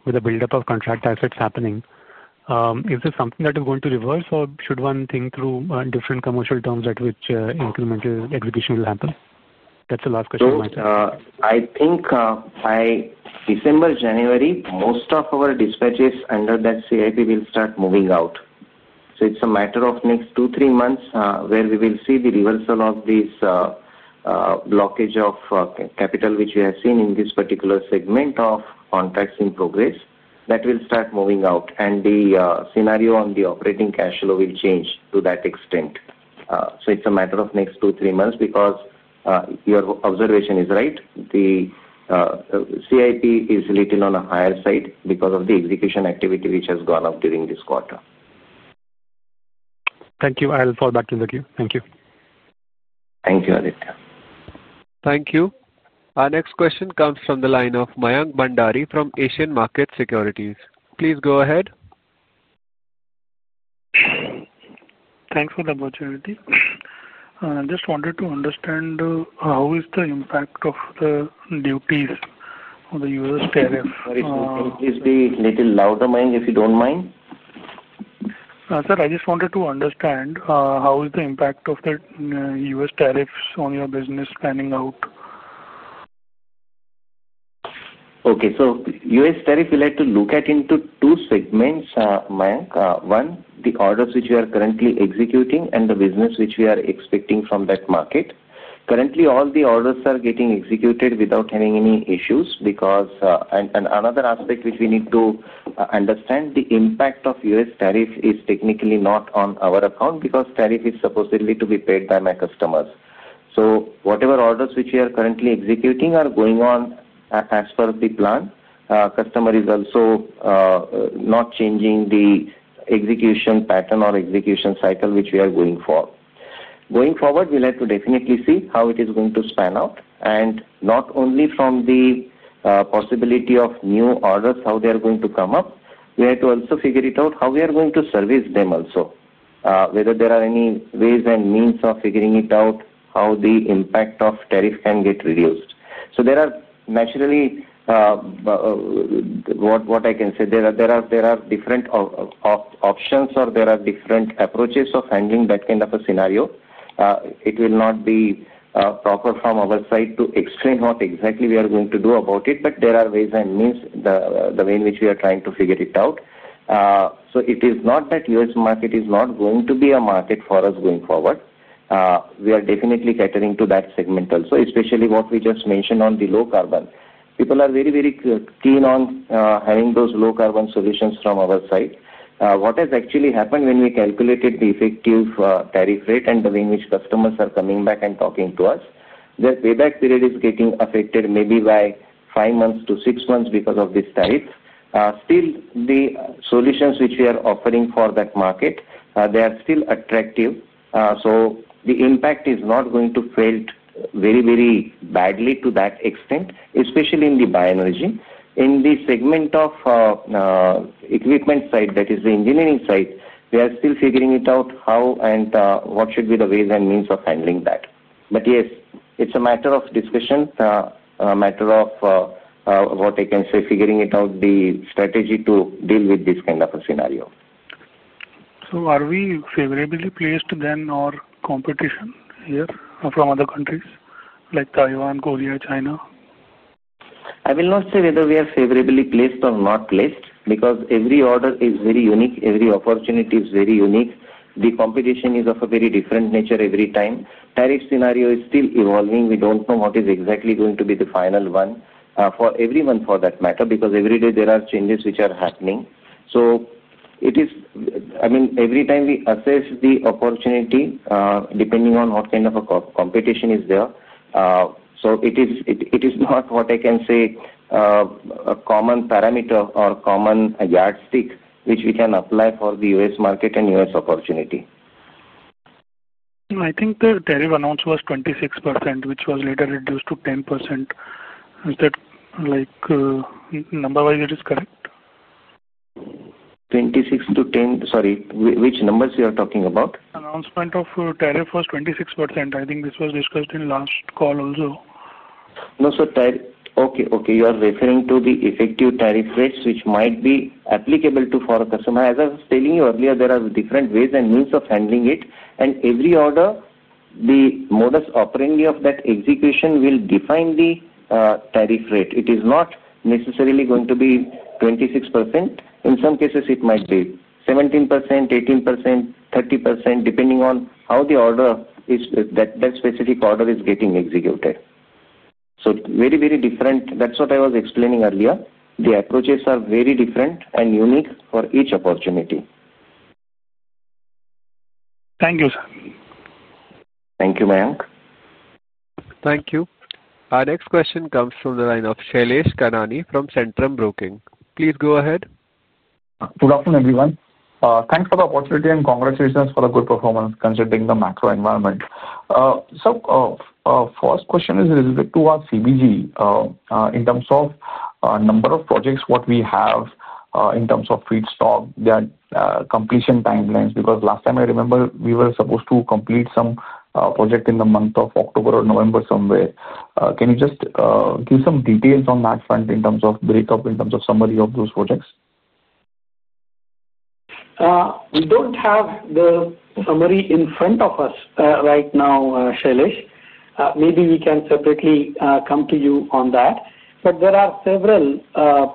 with the buildup of contract assets happening. Is this something that is going to reverse, or should one think through different commercial terms at which incremental execution will happen? That's the last question of my side. I think by December, January, most of our dispatches under that CIP will start moving out. It is a matter of next two, three months where we will see the reversal of this blockage of capital which we have seen in this particular segment of contracts in progress that will start moving out. The scenario on the operating cash flow will change to that extent. It is a matter of next two, three months because your observation is right. The CIP is a little on the higher side because of the execution activity which has gone up during this quarter. Thank you. I'll fall back into the queue. Thank you. Thank you, Aditya. Thank you. Our next question comes from the line of Mayank Bhandari from Asian Market Securities. Please go ahead. Thanks for the opportunity. I just wanted to understand. How is the impact of the duties on the U.S. tariff? Please be a little louder, Mayank, if you don't mind. Sir, I just wanted to understand how is the impact of the U.S. tariffs on your business panning out. Okay. U.S. tariff, we like to look at into two segments, Mayank. One, the orders which we are currently executing and the business which we are expecting from that market. Currently, all the orders are getting executed without having any issues because another aspect which we need to understand, the impact of U.S. tariff is technically not on our account because tariff is supposedly to be paid by my customers. Whatever orders which we are currently executing are going on as per the plan, customer is also not changing the execution pattern or execution cycle which we are going for. Going forward, we like to definitely see how it is going to span out. Not only from the. Possibility of new orders, how they are going to come up, we have to also figure it out how we are going to service them also, whether there are any ways and means of figuring it out, how the impact of tariff can get reduced. There are naturally. What I can say, there are different options or there are different approaches of handling that kind of a scenario. It will not be proper from our side to explain what exactly we are going to do about it, but there are ways and means, the way in which we are trying to figure it out. It is not that U.S. market is not going to be a market for us going forward. We are definitely catering to that segment also, especially what we just mentioned on the low carbon. People are very, very keen on having those low carbon solutions from our side. What has actually happened when we calculated the effective tariff rate and the way in which customers are coming back and talking to us, their payback period is getting affected maybe by five months to six months because of this tariff. Still, the solutions which we are offering for that market, they are still attractive. The impact is not going to fail very, very badly to that extent, especially in the bioenergy. In the segment of equipment side, that is the engineering side, we are still figuring it out how and what should be the ways and means of handling that. Yes, it is a matter of discussion, a matter of what I can say, figuring it out, the strategy to deal with this kind of a scenario. Are we favorably placed then or competition here from other countries like Taiwan, Korea, China? I will not say whether we are favorably placed or not placed because every order is very unique. Every opportunity is very unique. The competition is of a very different nature every time. Tariff scenario is still evolving. We do not know what is exactly going to be the final one for everyone, for that matter, because every day there are changes which are happening. I mean, every time we assess the opportunity, depending on what kind of a competition is there. It is not what I can say, a common parameter or common yardstick which we can apply for the U.S. market and U.S. opportunity. I think the tariff announced was 26%, which was later reduced to 10%. Is that, number-wise, it is correct? 26 to 10? Sorry, which numbers you are talking about? Announcement of tariff was 26%. I think this was discussed in last call also. No, sir. Okay. Okay. You are referring to the effective tariff rates which might be applicable to foreign customers. As I was telling you earlier, there are different ways and means of handling it. Every order, the modus operandi of that execution will define the tariff rate. It is not necessarily going to be 26%. In some cases, it might be 17%, 18%, 30%, depending on how the order is, that specific order is getting executed. Very, very different. That is what I was explaining earlier. The approaches are very different and unique for each opportunity. Thank you, sir. Thank you, Mayank. Thank you. Our next question comes from the line of Shailesh Kanani from Centrum Broking. Please go ahead. Good afternoon, everyone. Thanks for the opportunity and congratulations for the good performance considering the macro environment. Sir, first question is related to our CBG. In terms of number of projects, what we have in terms of feedstock, their completion timelines, because last time I remember we were supposed to complete some project in the month of October or November somewhere. Can you just give some details on that front in terms of breakup, in terms of summary of those projects? We do not have the summary in front of us right now, Shailesh. Maybe we can separately come to you on that. There are several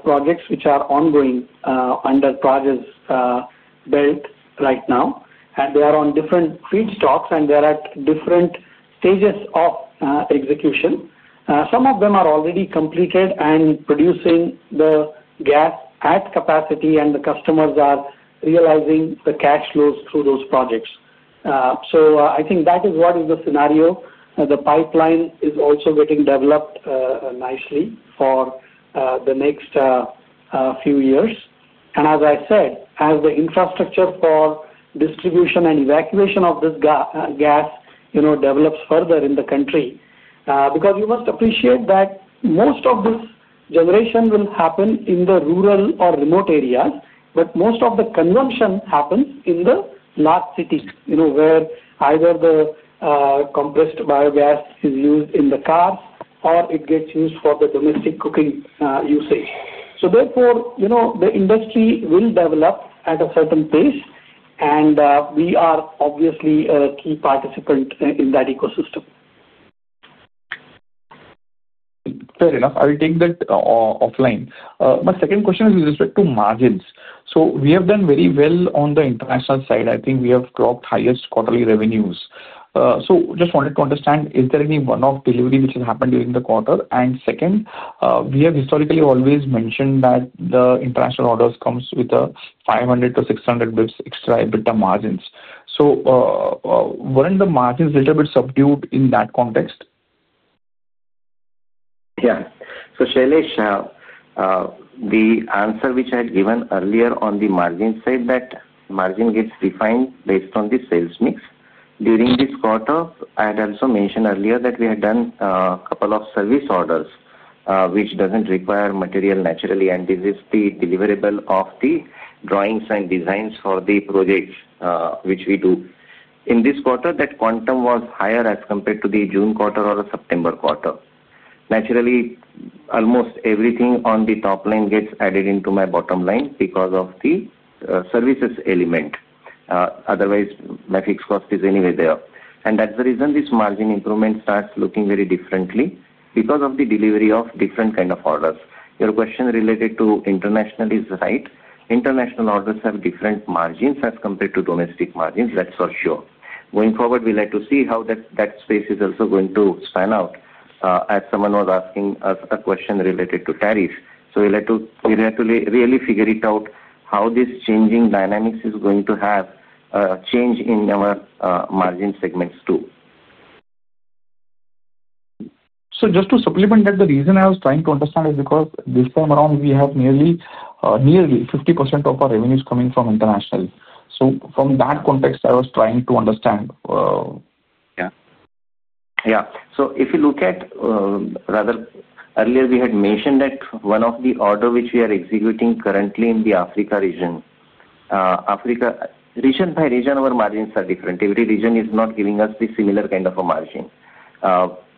projects which are ongoing under projects belt right now, and they are on different feedstocks, and they are at different stages of execution. Some of them are already completed and producing the gas at capacity, and the customers are realizing the cash flows through those projects. I think that is what is the scenario. The pipeline is also getting developed nicely for the next few years. As I said, as the infrastructure for distribution and evacuation of this gas develops further in the country, because you must appreciate that most of this generation will happen in the rural or remote areas, but most of the consumption happens in the large cities where either the compressed biogas is used in the cars or it gets used for the domestic cooking usage. Therefore, the industry will develop at a certain pace, and we are obviously a key participant in that ecosystem. Fair enough. I'll take that offline. My second question is with respect to margins. So we have done very well on the international side. I think we have dropped highest quarterly revenues. So just wanted to understand, is there any one-off delivery which has happened during the quarter? And second, we have historically always mentioned that the international orders come with a 500-600 basis points extra EBITDA margins. So. Weren't the margins a little bit subdued in that context? Yeah. So Shailesh, the answer which I had given earlier on the margin said that margin gets defined based on the sales mix. During this quarter, I had also mentioned earlier that we had done a couple of service orders which doesn't require material naturally, and this is the deliverable of the drawings and designs for the projects which we do. In this quarter, that quantum was higher as compared to the June quarter or the September quarter. Naturally, almost everything on the top line gets added into my bottom line because of the services element. Otherwise, my fixed cost is anyway there. That is the reason this margin improvement starts looking very differently because of the delivery of different kinds of orders. Your question related to international is right. International orders have different margins as compared to domestic margins. That is for sure. Going forward, we like to see how that space is also going to span out. As someone was asking us a question related to tariffs, we like to really figure it out how this changing dynamics is going to have a change in our margin segments too. Just to supplement that, the reason I was trying to understand is because this time around, we have nearly 50% of our revenues coming from international. From that context, I was trying to understand. Yeah. Yeah. If you look at, rather, earlier we had mentioned that one of the orders which we are executing currently in the Africa region. Region by region, our margins are different. Every region is not giving us the similar kind of a margin.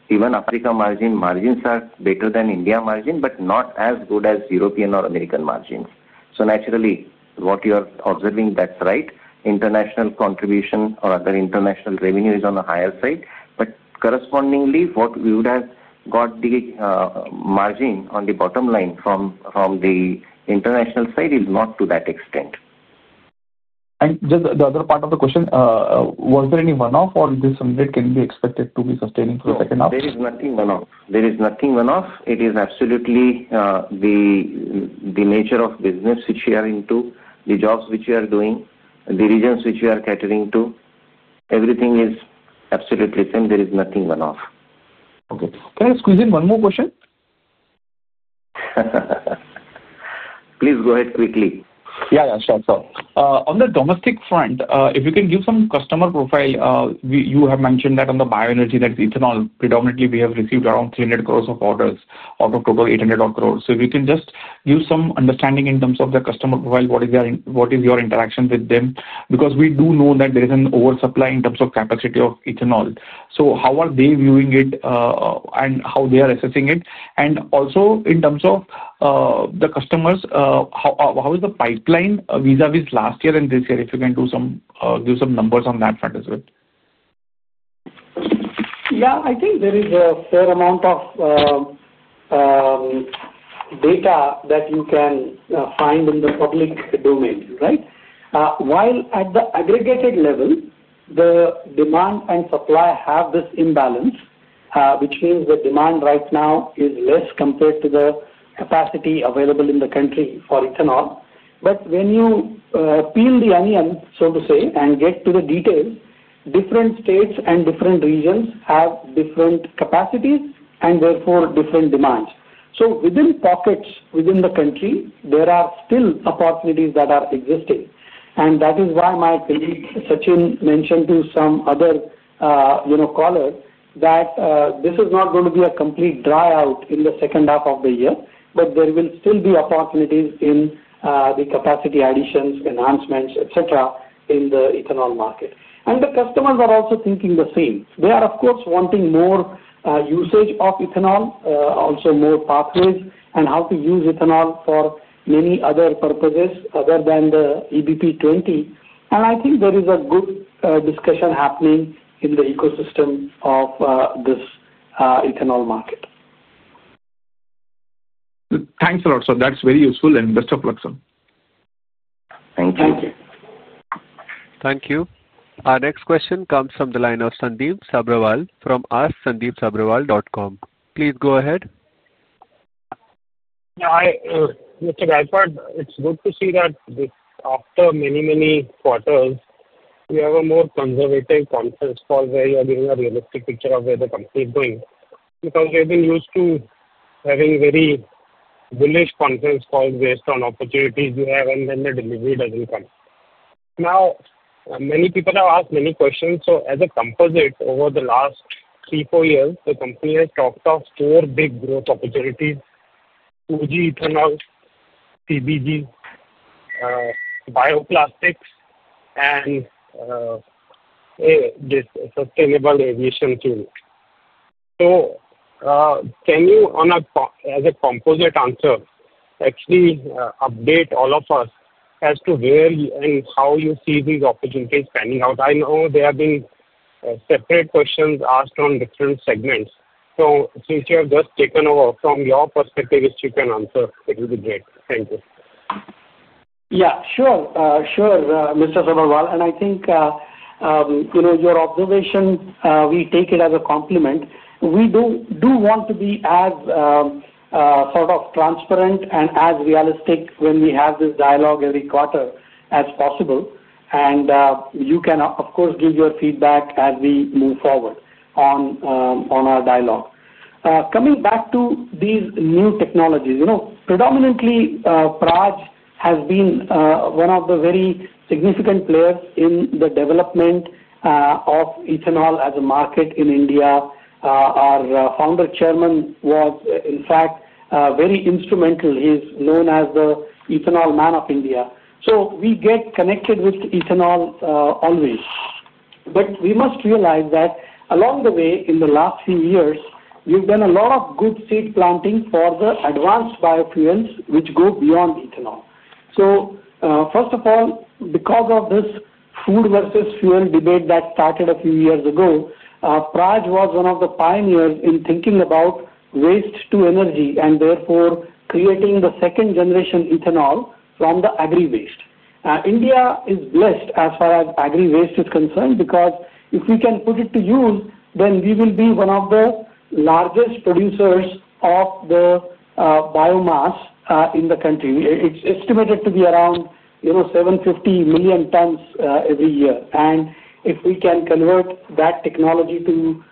Even Africa margins are better than India margin, but not as good as European or American margins. Naturally, what you are observing, that's right. International contribution or other international revenue is on the higher side. Correspondingly, what we would have got, the margin on the bottom line from the international side is not to that extent. Just the other part of the question, was there any one-off or this summary can be expected to be sustaining for the second half? There is nothing one-off. It is absolutely the nature of business which we are into, the jobs which we are doing, the regions which we are catering to, everything is absolutely the same. There is nothing one-off. Okay. Can I squeeze in one more question? Please go ahead quickly. Yeah, yeah. Sure, sir. On the domestic front, if you can give some customer profile, you have mentioned that on the bioenergy, that's ethanol. Predominantly, we have received around 300 crores of orders out of total 800 crores. If you can just give some understanding in terms of the customer profile, what is your interaction with them? Because we do know that there is an oversupply in terms of capacity of ethanol. How are they viewing it? How are they assessing it? Also, in terms of the customers, how is the pipeline vis-à-vis last year and this year? If you can give some numbers on that front as well. Yeah, I think there is a fair amount of data that you can find in the public domain, right? While at the aggregated level, the demand and supply have this imbalance, which means the demand right now is less compared to the capacity available in the country for ethanol. When you peel the onion, so to say, and get to the details, different states and different regions have different capacities and therefore different demands. Within pockets within the country, there are still opportunities that are existing. That is why my colleague Sachin mentioned to some other callers that this is not going to be a complete dryout in the second half of the year, but there will still be opportunities in the capacity additions, enhancements, etc., in the ethanol market. The customers are also thinking the same. They are, of course, wanting more usage of ethanol, also more pathways and how to use ethanol for many other purposes other than the EBP20. I think there is a good discussion happening in the ecosystem of this ethanol market. Thanks a lot, sir. That is very useful. And best of luck, sir. Thank you. Thank you. Our next question comes from the line of Sandip Sabharwal from asksandeepsabrawal.com. Please go ahead. Mr. Gaikwad, it's good to see that after many, many quarters, we have a more conservative conference call where you are getting a realistic picture of where the company is going. Because we have been used to having very bullish conference calls based on opportunities we have, and then the delivery does not come. Now, many people have asked many questions. As a composite, over the last three, four years, the company has talked of four big growth opportunities: 2G ethanol, CBG, bioplastics, and this SAF. Can you, as a composite answer, actually update all of us as to where and how you see these opportunities panning out? I know there have been separate questions asked on different segments. Since you have just taken over, from your perspective, if you can answer, it will be great. Thank you. Yeah, sure. Sure, Mr. Sabharwal. I think your observation, we take it as a compliment. We do want to be as sort of transparent and as realistic when we have this dialogue every quarter as possible. You can, of course, give your feedback as we move forward on our dialogue. Coming back to these new technologies, predominantly, Praj has been one of the very significant players in the development of ethanol as a market in India. Our Founder Chairman was, in fact, very instrumental. He is known as the ethanol man of India. We get connected with ethanol always. We must realize that along the way, in the last few years, we have done a lot of good seed planting for the advanced biofuels, which go beyond ethanol. First of all, because of this food versus fuel debate that started a few years ago, Praj was one of the pioneers in thinking about waste to energy and therefore creating the second-generation ethanol from the agri waste. India is blessed as far as agri waste is concerned because if we can put it to use, then we will be one of the largest producers of the biomass in the country. It is estimated to be around 750 million tons every year. If we can convert that technology to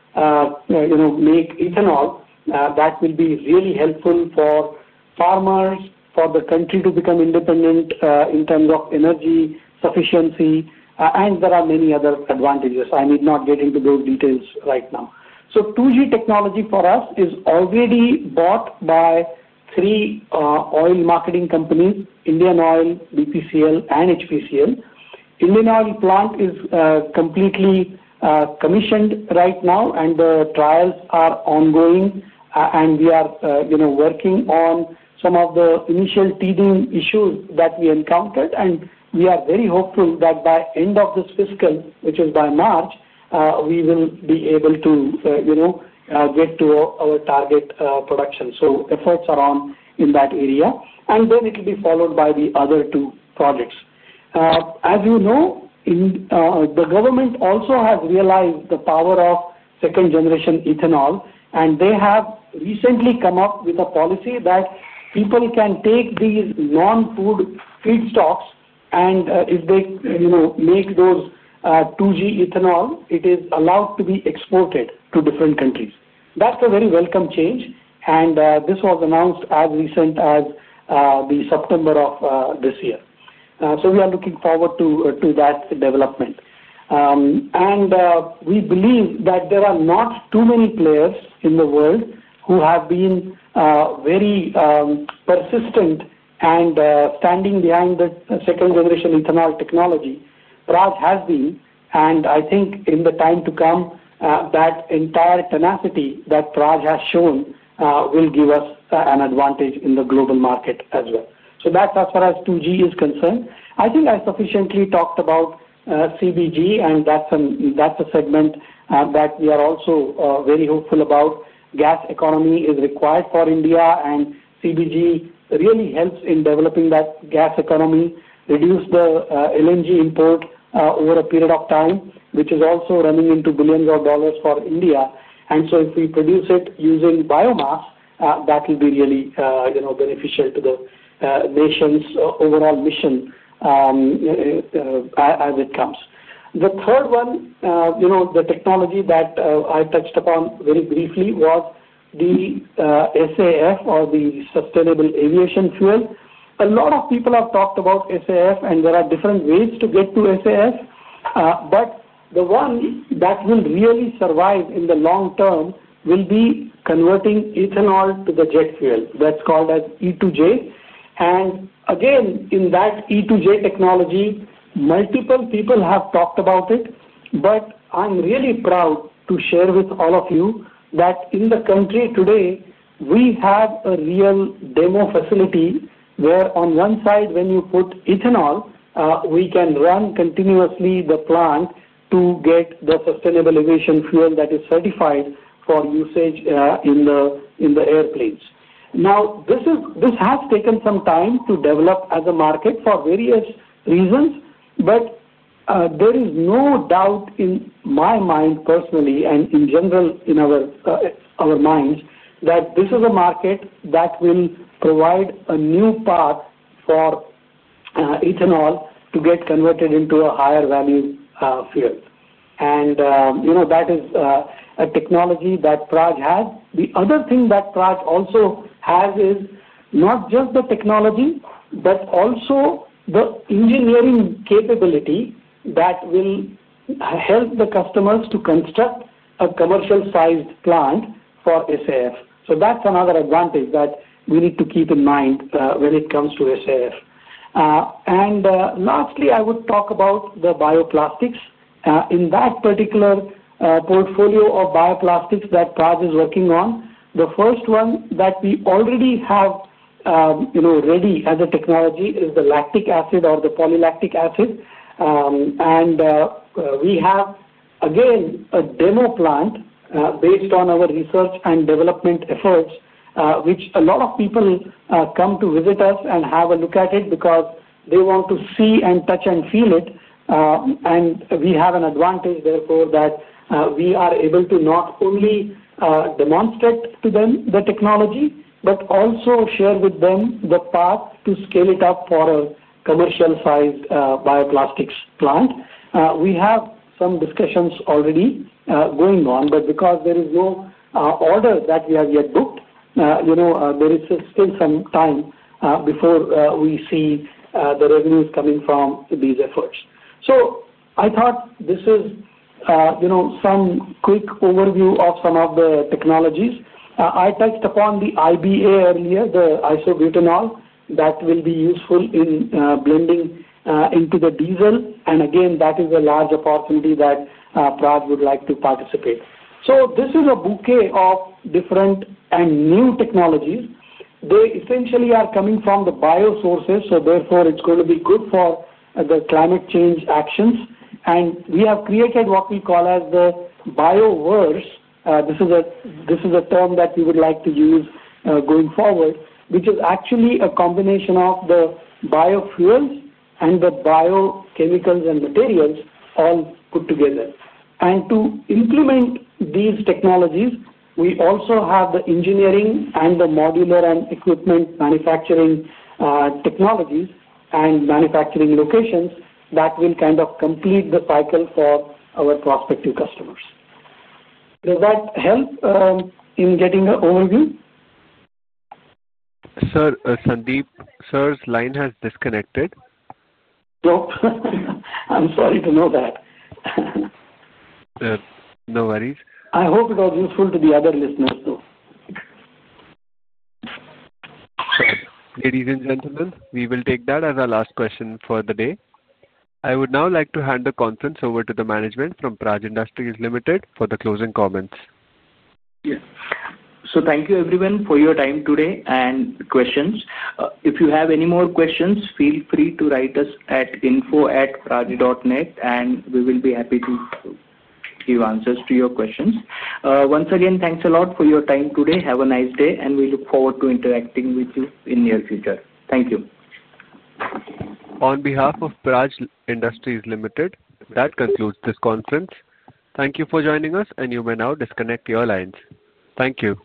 make ethanol, that will be really helpful for farmers, for the country to become independent in terms of energy sufficiency. There are many other advantages. I need not get into those details right now. 2G technology for us is already bought by three oil marketing companies: Indian Oil, BPCL, and HPCL. Indian Oil plant is completely. Commissioned right now, and the trials are ongoing. We are working on some of the initial teething issues that we encountered. We are very hopeful that by end of this fiscal, which is by March, we will be able to get to our target production. Efforts are on in that area. It will be followed by the other two projects. As you know, the government also has realized the power of second-generation ethanol. They have recently come up with a policy that people can take these non-food feedstocks, and if they make those 2G ethanol, it is allowed to be exported to different countries. That is a very welcome change. This was announced as recent as the September of this year. We are looking forward to that development. We believe that there are not too many players in the world who have been very persistent and standing behind the second-generation ethanol technology. Praj has been. I think in the time to come, that entire tenacity that Praj has shown will give us an advantage in the global market as well. That is as far as 2G is concerned. I think I sufficiently talked about CBG, and that is a segment that we are also very hopeful about. Gas economy is required for India, and CBG really helps in developing that gas economy, reducing the LNG import over a period of time, which is also running into billions of dollars for India. If we produce it using biomass, that will be really beneficial to the nation's overall mission. As it comes, the third one, the technology that I touched upon very briefly was the SAF or the SAF. A lot of people have talked about SAF, and there are different ways to get to SAF. The one that will really survive in the long term will be converting ethanol to the jet fuel. That's called as E2J. Again, in that E2J technology, multiple people have talked about it. I'm really proud to share with all of you that in the country today, we have a real demo facility where on one side, when you put ethanol, we can run continuously the plant to get the SAF that is certified for usage in the airplanes. This has taken some time to develop as a market for various reasons. There is no doubt in my mind personally and in general in our minds that this is a market that will provide a new path for. Ethanol to get converted into a higher-value fuel. That is a technology that Praj has. The other thing that Praj also has is not just the technology, but also the engineering capability that will help the customers to construct a commercial-sized plant for SAF. That is another advantage that we need to keep in mind when it comes to SAF. Lastly, I would talk about the bioplastics. In that particular portfolio of bioplastics that Praj is working on, the first one that we already have ready as a technology is the lactic acid or the polylactic acid. We have, again, a demo plant based on our research and development efforts, which a lot of people come to visit us and have a look at it because they want to see and touch and feel it. We have an advantage, therefore, that we are able to not only demonstrate to them the technology, but also share with them the path to scale it up for a commercial-sized bioplastics plant. We have some discussions already going on, but because there is no order that we have yet booked, there is still some time before we see the revenues coming from these efforts. I thought this is some quick overview of some of the technologies. I touched upon the IBA earlier, the isobutanol, that will be useful in blending into the diesel. Again, that is a large opportunity that Praj would like to participate. This is a bouquet of different and new technologies. They essentially are coming from the bio sources. Therefore, it is going to be good for the climate change actions. We have created what we call as the bio-verse. This is a term that we would like to use going forward, which is actually a combination of the biofuels and the biochemicals and materials all put together. To implement these technologies, we also have the engineering and the modular and equipment manufacturing technologies and manufacturing locations that will kind of complete the cycle for our prospective customers. Does that help in getting an overview? Sir, Sandip, sir's line has disconnected. Nope. I'm sorry to know that. No worries. I hope it was useful to the other listeners too. Ladies and gentlemen, we will take that as our last question for the day. I would now like to hand the conference over to the management from Praj Industries for the closing comments. Yes. Thank you, everyone, for your time today and questions. If you have any more questions, feel free to write us at info@praj.net, and we will be happy to give answers to your questions. Once again, thanks a lot for your time today. Have a nice day, and we look forward to interacting with you in the near future. Thank you. On behalf of Praj Industries Limited, that concludes this conference. Thank you for joining us, and you may now disconnect your lines. Thank you.